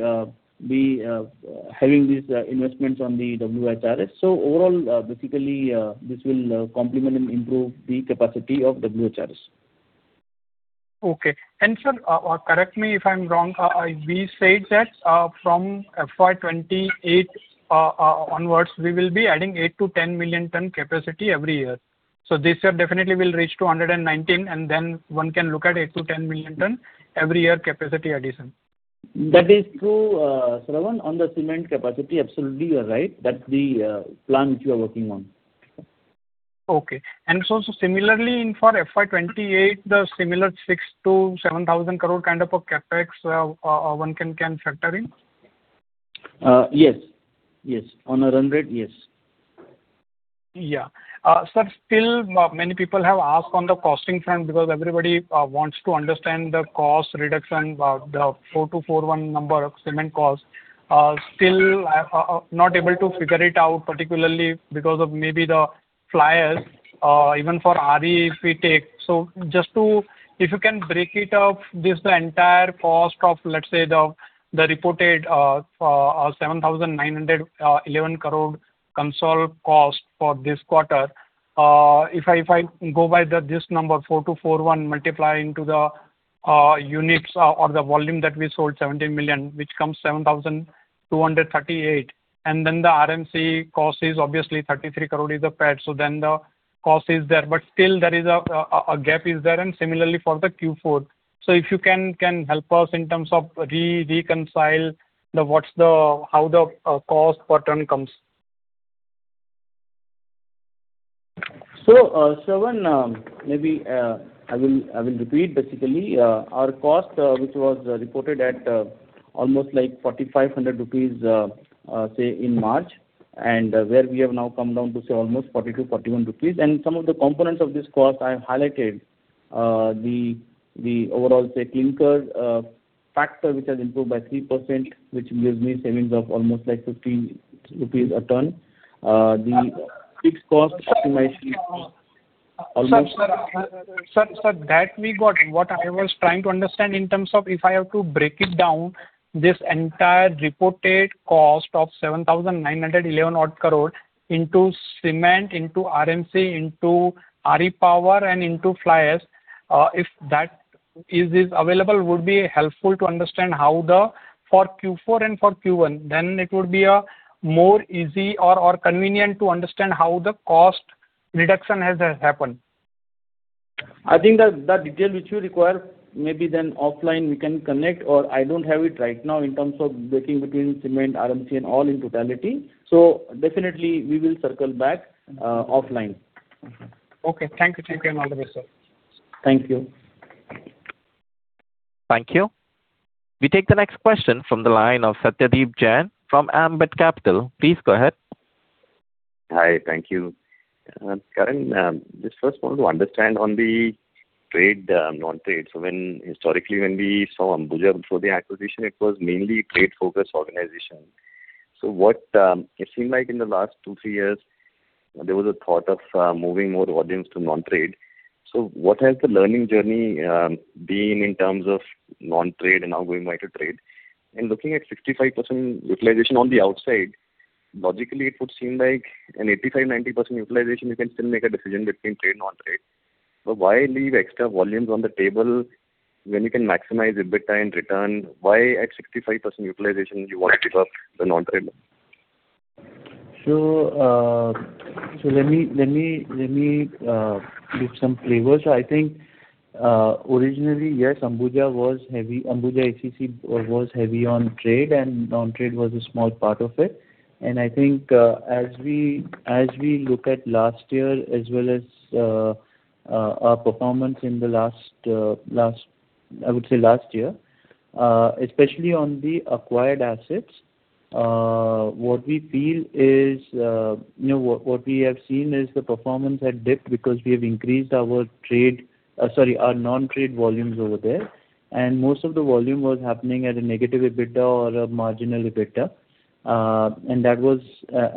having these investments on the WHRS. Overall, basically, this will complement and improve the capacity of WHRS. Okay. Sir, correct me if I'm wrong. We said that from FY 2028 onwards, we will be adding 8 million ton-10 million ton capacity every year. This year definitely we'll reach to 119, and then one can look at 8 million ton-10 million ton every year capacity addition. That is true, Shravan. On the cement capacity, absolutely you're right. That's the plan which we are working on. Okay. Similarly for FY 2028, the similar 6,000 crore-7,000 crore kind of a CapEx, one can factor in? Yes. On a run rate, yes. Yeah. Sir, still many people have asked on the costing front because everybody wants to understand the cost reduction, the 4,241 number of cement cost. Still not able to figure it out, particularly because of maybe the fly ash, even for RE if we take. If you can break it up, this, the entire cost of, let's say, the reported 7,911 crore consolidated cost for this quarter. If I go by this number, 4,241, multiply into the units or the volume that we sold, 70 million, which comes 7,238. The RMC cost is obviously 33 crore is the paid, the cost is there. Still a gap is there, and similarly for the Q4. If you can help us in terms of reconcile how the cost per ton comes. Shravan, maybe I will repeat basically. Our cost, which was reported at almost 4,500 rupees, say in March, and where we have now come down to say almost 40-41 rupees. Some of the components of this cost I have highlighted. The overall, say, clinker factor, which has improved by 3%, which gives me savings of almost 15 rupees a ton. The fixed cost optimization Sir, that we got. What I was trying to understand in terms of if I have to break it down, this entire reported cost of 7,911 crore into cement, into RMC, into RE power and into fly ash. If that is available, would be helpful to understand how for Q4 and for Q1. It would be more easy or convenient to understand how the cost reduction has happened. I think the detail which you require, maybe then offline we can connect, or I don't have it right now in terms of breaking between cement, RMC and all in totality. Definitely we will circle back offline. Okay. Thank you. Thank you, and all the best, sir. Thank you. Thank you. We take the next question from the line of Satyadeep Jain from Ambit Capital. Please go ahead. Hi. Thank you. Karan, just first want to understand on the trade, non-trade. Historically, when we saw Ambuja before the acquisition, it was mainly trade-focused organization. It seemed like in the last two, three years, there was a thought of moving more volumes to non-trade. Now going back to trade? Looking at 65% utilization on the outside, logically, it would seem like an 85%, 90% utilization, you can still make a decision between trade and non-trade. Why leave extra volumes on the table when you can maximize EBITDA and return? Why at 65% utilization do you want to give up the non-trade? Let me give some flavors. I think originally, yes, Ambuja ACC was heavy on trade, and non-trade was a small part of it. I think as we look at last year as well as our performance in the last, I would say, last year. Especially on the acquired assets, what we have seen is the performance had dipped because we have increased our non-trade volumes over there, and most of the volume was happening at a negative EBITDA or a marginal EBITDA. That was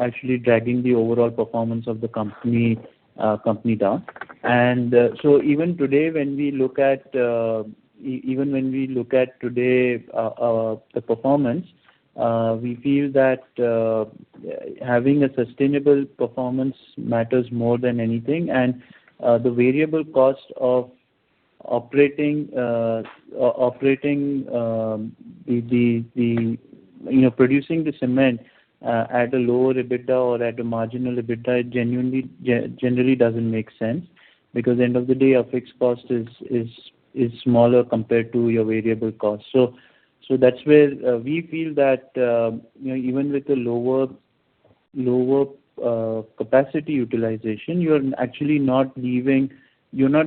actually dragging the overall performance of the company down. Even when we look at today the performance, we feel that having a sustainable performance matters more than anything, and the variable cost of producing the cement at a lower EBITDA or at a marginal EBITDA, generally doesn't make sense because at the end of the day, our fixed cost is smaller compared to your variable cost. That's where we feel that even with a lower capacity utilization, you're not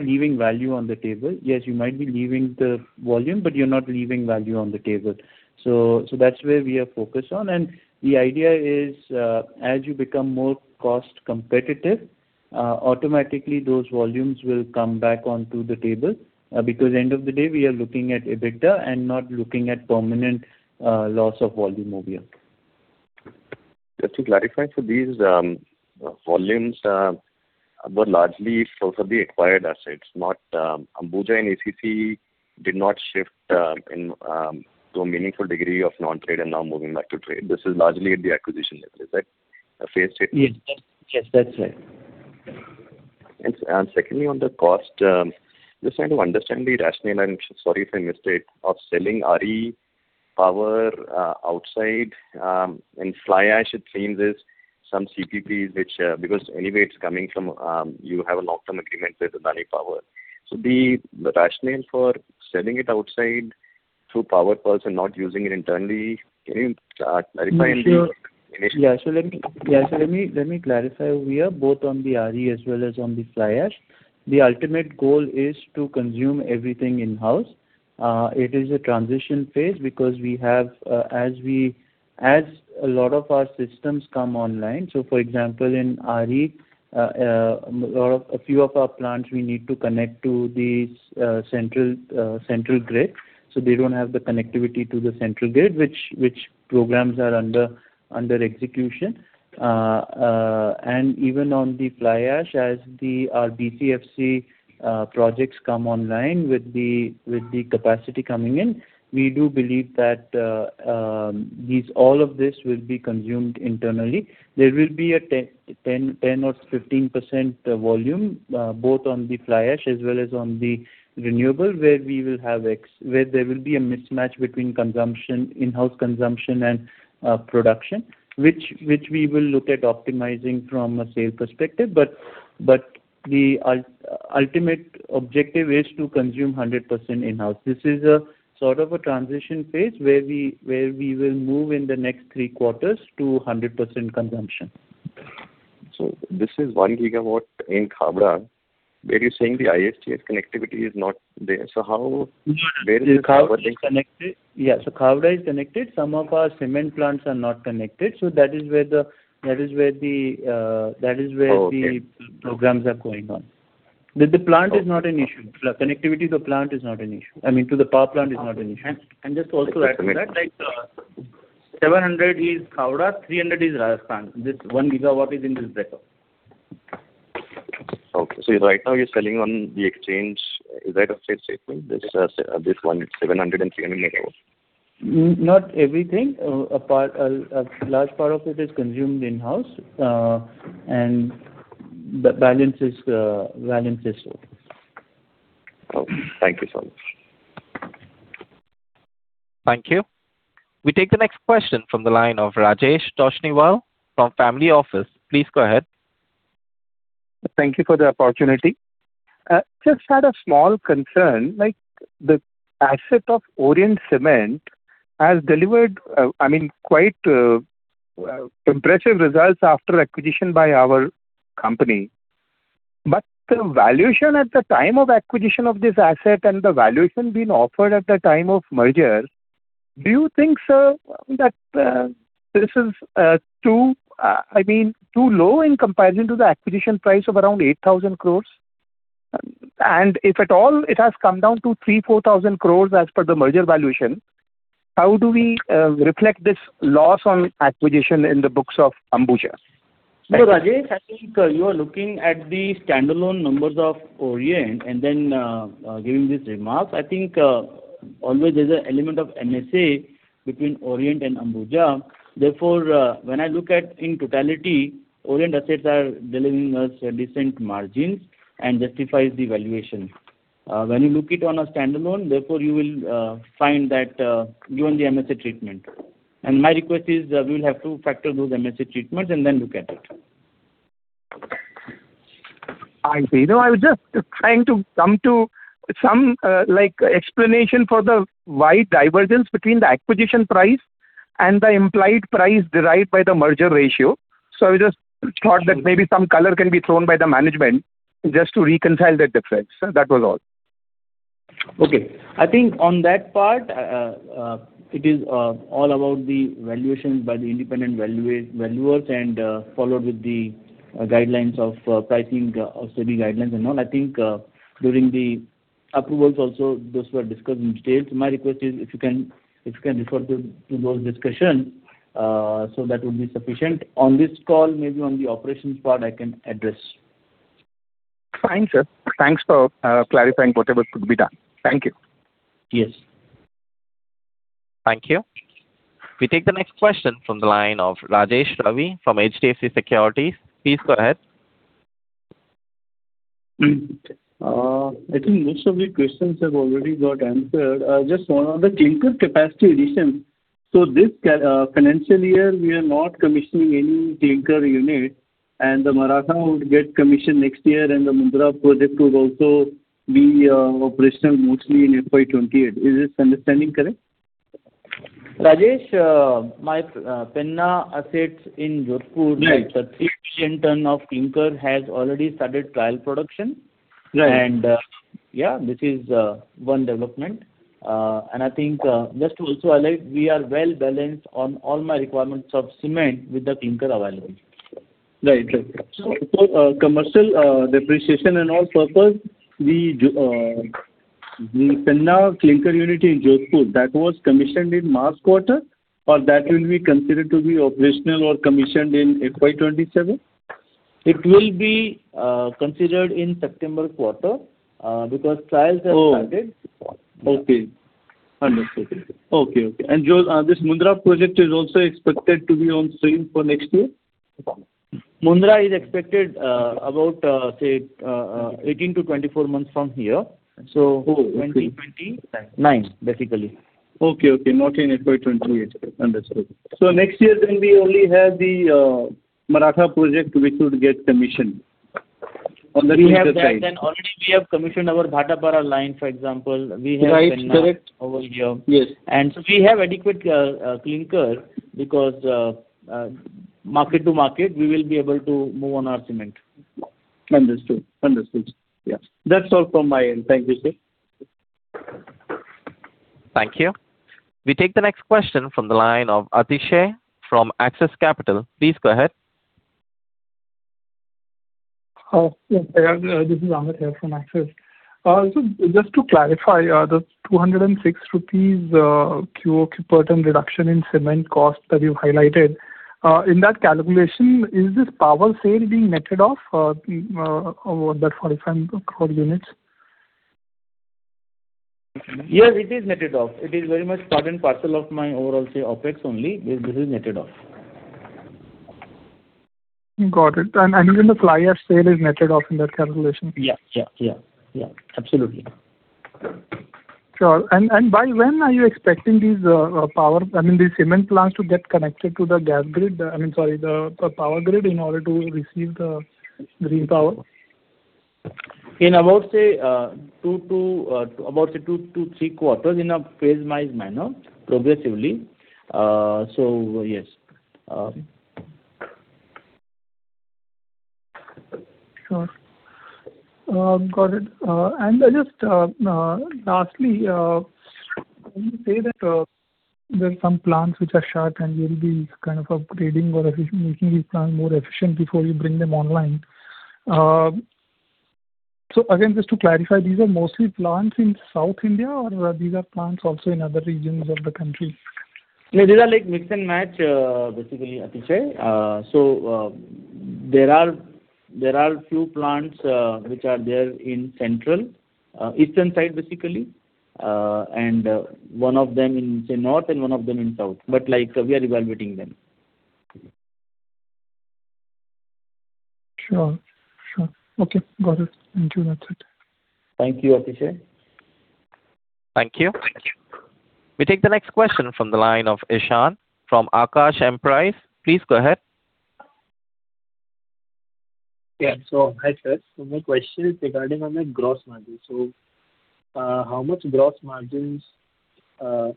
leaving value on the table. Yes, you might be leaving the volume, but you're not leaving value on the table. That's where we are focused on. The idea is, as you become more cost competitive, automatically those volumes will come back onto the table. Because at the end of the day, we are looking at EBITDA and not looking at permanent loss of volume over here. Just to clarify, these volumes are largely for the acquired assets. Ambuja and ACC did not shift to a meaningful degree of non-trade and now moving back to trade. This is largely at the acquisition level. Is that a fair statement? Yes, that's right. Secondly, on the cost, just trying to understand the rationale, and sorry if I missed it, of selling RE power outside and fly ash it seems is some CPPs, because anyway, you have a long-term agreement with Adani Power. The rationale for selling it outside through power purchase and not using it internally, can you clarify? Yeah. Let me clarify where both on the RE as well as on the fly ash. The ultimate goal is to consume everything in-house. It is a transition phase because as a lot of our systems come online, for example, in RE, a few of our plants we need to connect to the central grid. They don't have the connectivity to the central grid, which programs are under execution. Even on the fly ash, as our DCFC projects come online with the capacity coming in, we do believe that all of this will be consumed internally. There will be a 10% or 15% volume both on the fly ash as well as on the renewable, where there will be a mismatch between in-house consumption and production, which we will look at optimizing from a sales perspective. The ultimate objective is to consume 100% in-house. This is a sort of a transition phase where we will move in the next three quarters to 100% consumption. This is 1 GW in Khavda, where you're saying the ISTS connectivity is not there. How - Yeah. Khavda is connected. Some of our cement plants are not connected. That is where the- Okay programs are going on. The connectivity to the power plant is not an issue. Just to also add to that, 700 MW is Khavda, 300 MW is Rajasthan. This 1 GW is in this breakup. Okay. Right now you're selling on the exchange. Is that a fair statement? This one is 700 MW and 300 MW. Not everything. A large part of it is consumed in-house, and the balance is sold. Okay. Thank you so much. Thank you. We take the next question from the line of Rajesh Toshniwal from Varnmala Office. Please go ahead. Thank you for the opportunity. Just had a small concern. The asset of Orient Cement has delivered quite impressive results after acquisition by our company. The valuation at the time of acquisition of this asset and the valuation being offered at the time of merger, do you think, sir, that this is too low in comparison to the acquisition price of around 8,000 crore? If at all it has come down to 3,000 crore, 4,000 crore as per the merger valuation, how do we reflect this loss on acquisition in the books of Ambuja? Rajesh, I think you are looking at the standalone numbers of Orient and then giving this remark. I think, always there's an element of MSA between Orient and Ambuja. Therefore, when I look at in totality, Orient assets are delivering us decent margins and justifies the valuation. When you look it on a standalone, therefore you will find that given the MSA treatment. My request is, we will have to factor those MSA treatments and then look at it. I see. I was just trying to come to some explanation for the wide divergence between the acquisition price. The implied price derived by the merger ratio. I just thought that maybe some color can be thrown by the management just to reconcile that difference. That was all. Okay. I think on that part, it is all about the valuations by the independent valuers, and followed with the guidelines of pricing of study guidelines and all. I think during the approvals also, those were discussed in detail. My request is, if you can refer to those discussions, so that would be sufficient. On this call, maybe on the operations part, I can address. Fine, sir. Thanks for clarifying whatever could be done. Thank you. Yes. Thank you. We take the next question from the line of Rajesh Ravi from HDFC Securities. Please go ahead. I think most of the questions have already got answered. Just one on the clinker capacity addition. This financial year, we are not commissioning any clinker unit, and the Maratha would get commissioned next year, and the Mundra project would also be operational mostly in FY 2028. Is this understanding correct? Rajesh, my Penna assets in Jodhpur. Right the 3 million tonne of clinker has already started trial production. Right. Yeah, this is one development. I think, just to also highlight, we are well balanced on all my requirements of cement with the clinker available. Right, sir. For commercial depreciation and all purpose, the Penna clinker unit in Jodhpur, that was commissioned in March quarter, or that will be considered to be operational or commissioned in FY 2027? It will be considered in September quarter, because trials have started. Oh, okay. Understood. Okay. This Mundra project is also expected to be on stream for next year? Mundra is expected about 18 months-24 months from here. Oh, okay 2029 basically. Okay. Not in FY 2028. Understood. Next year we only have the Maratha project which would get commissioned on the clinker side. We have that and already we have commissioned our Bhatapara line, for example. We have Penna- Right. Correct. over here. Yes. We have adequate clinker because market-to-market, we will be able to move on our cement. Understood. Yes. That's all from my end. Thank you, sir. Thank you. We take the next question from the line of Abishek from Axis Capital. Please go ahead. Yes. This is Amit here from Axis. Just to clarify, the 206 rupees QoQ per ton reduction in cement cost that you highlighted, in that calculation, is this power sale being netted off over that 45 crore units? Yes, it is netted off. It is very much part and parcel of my overall, say, OpEx only. This is netted off. Got it. Even the fly ash sale is netted off in that calculation? Yeah. Absolutely. Sure. By when are you expecting these cement plants to get connected to the power grid in order to receive the green power? In about, say, two to three quarters in a phase-wise manner progressively. Yes. Sure. Got it. Just lastly, when you say that there are some plants which are shut and you'll be kind of upgrading or making these plants more efficient before you bring them online. Again, just to clarify, these are mostly plants in South India, or these are plants also in other regions of the country? No, these are like mix and match, basically, Amit. There are few plants which are there in central, eastern side basically, and one of them in, say, north and one of them in south. We are evaluating them. Sure. Okay. Got it. Thank you. That's it. Thank you, Amit. Thank you. Thank you. We take the next question from the line of Eshaan from Aakash Emprise. Please go ahead. Yeah. Hi, sir. My question is regarding on the gross margin. How much gross margins can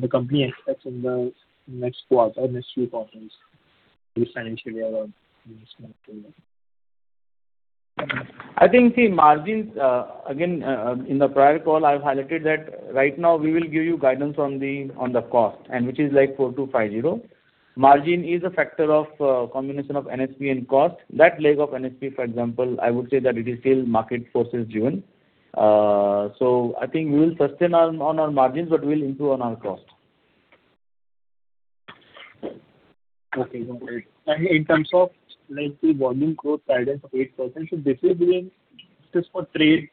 the company expect in the next few quarters this financial year around? I think, margins, again, in the prior call, I've highlighted that right now we will give you guidance on the cost, which is like 4,250. Margin is a factor of combination of NSP and cost. That leg of NSP, for example, I would say that it is still market forces driven. I think we will sustain on our margins, but we'll improve on our cost. Okay. Got it. In terms of volume growth guidance of 8%, this will be just for trade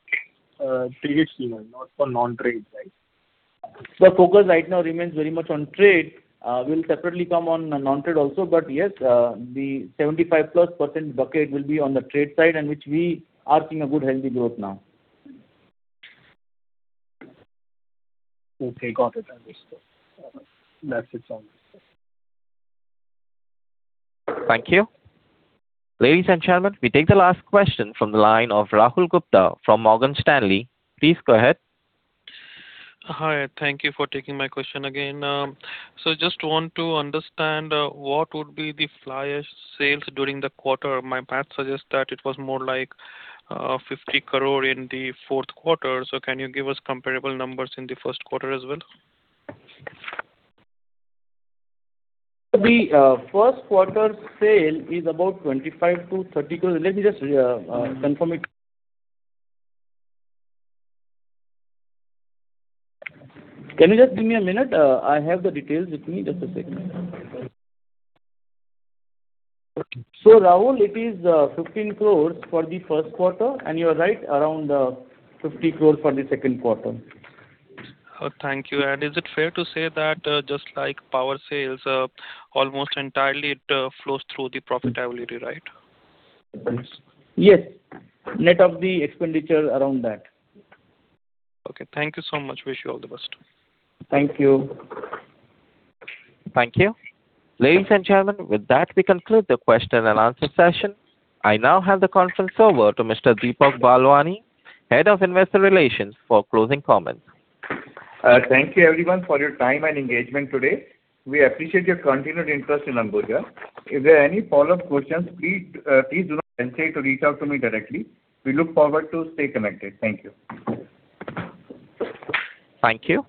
scheme and not for non-trade, right? The focus right now remains very much on trade. We'll separately come on non-trade also. Yes, the 75+% bucket will be on the trade side, which we are seeing a good, healthy growth now. Okay. Got it. Understood. That's it from my side. Thank you. Ladies and gentlemen, we take the last question from the line of Rahul Gupta from Morgan Stanley. Please go ahead. Hi. Thank you for taking my question again. Just want to understand what would be the fly ash sales during the quarter. My math suggests that it was more like 50 crore in the fourth quarter. Can you give us comparable numbers in the first quarter as well? The first quarter sale is about 25 crore-30 crore. Let me just confirm it. Can you just give me a minute? I have the details with me. Just a second. Rahul, it is 15 crore for the first quarter, and you're right, around 50 crore for the second quarter. Thank you. Is it fair to say that just like power sales, almost entirely it flows through the profitability, right? Yes. Net of the expenditure around that. Okay. Thank you so much. Wish you all the best. Thank you. Thank you. Ladies and gentlemen, with that, we conclude the question-and-answer session. I now hand the conference over to Mr. Deepak Balwani, Head of Investor Relations for closing comments. Thank you everyone for your time and engagement today. We appreciate your continued interest in Ambuja. If there are any follow-up questions, please do not hesitate to reach out to me directly. We look forward to stay connected. Thank you. Thank you.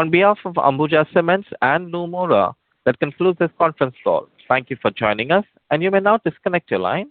On behalf of Ambuja Cements and Nomura, that concludes this conference call. Thank you for joining us, and you may now disconnect your line.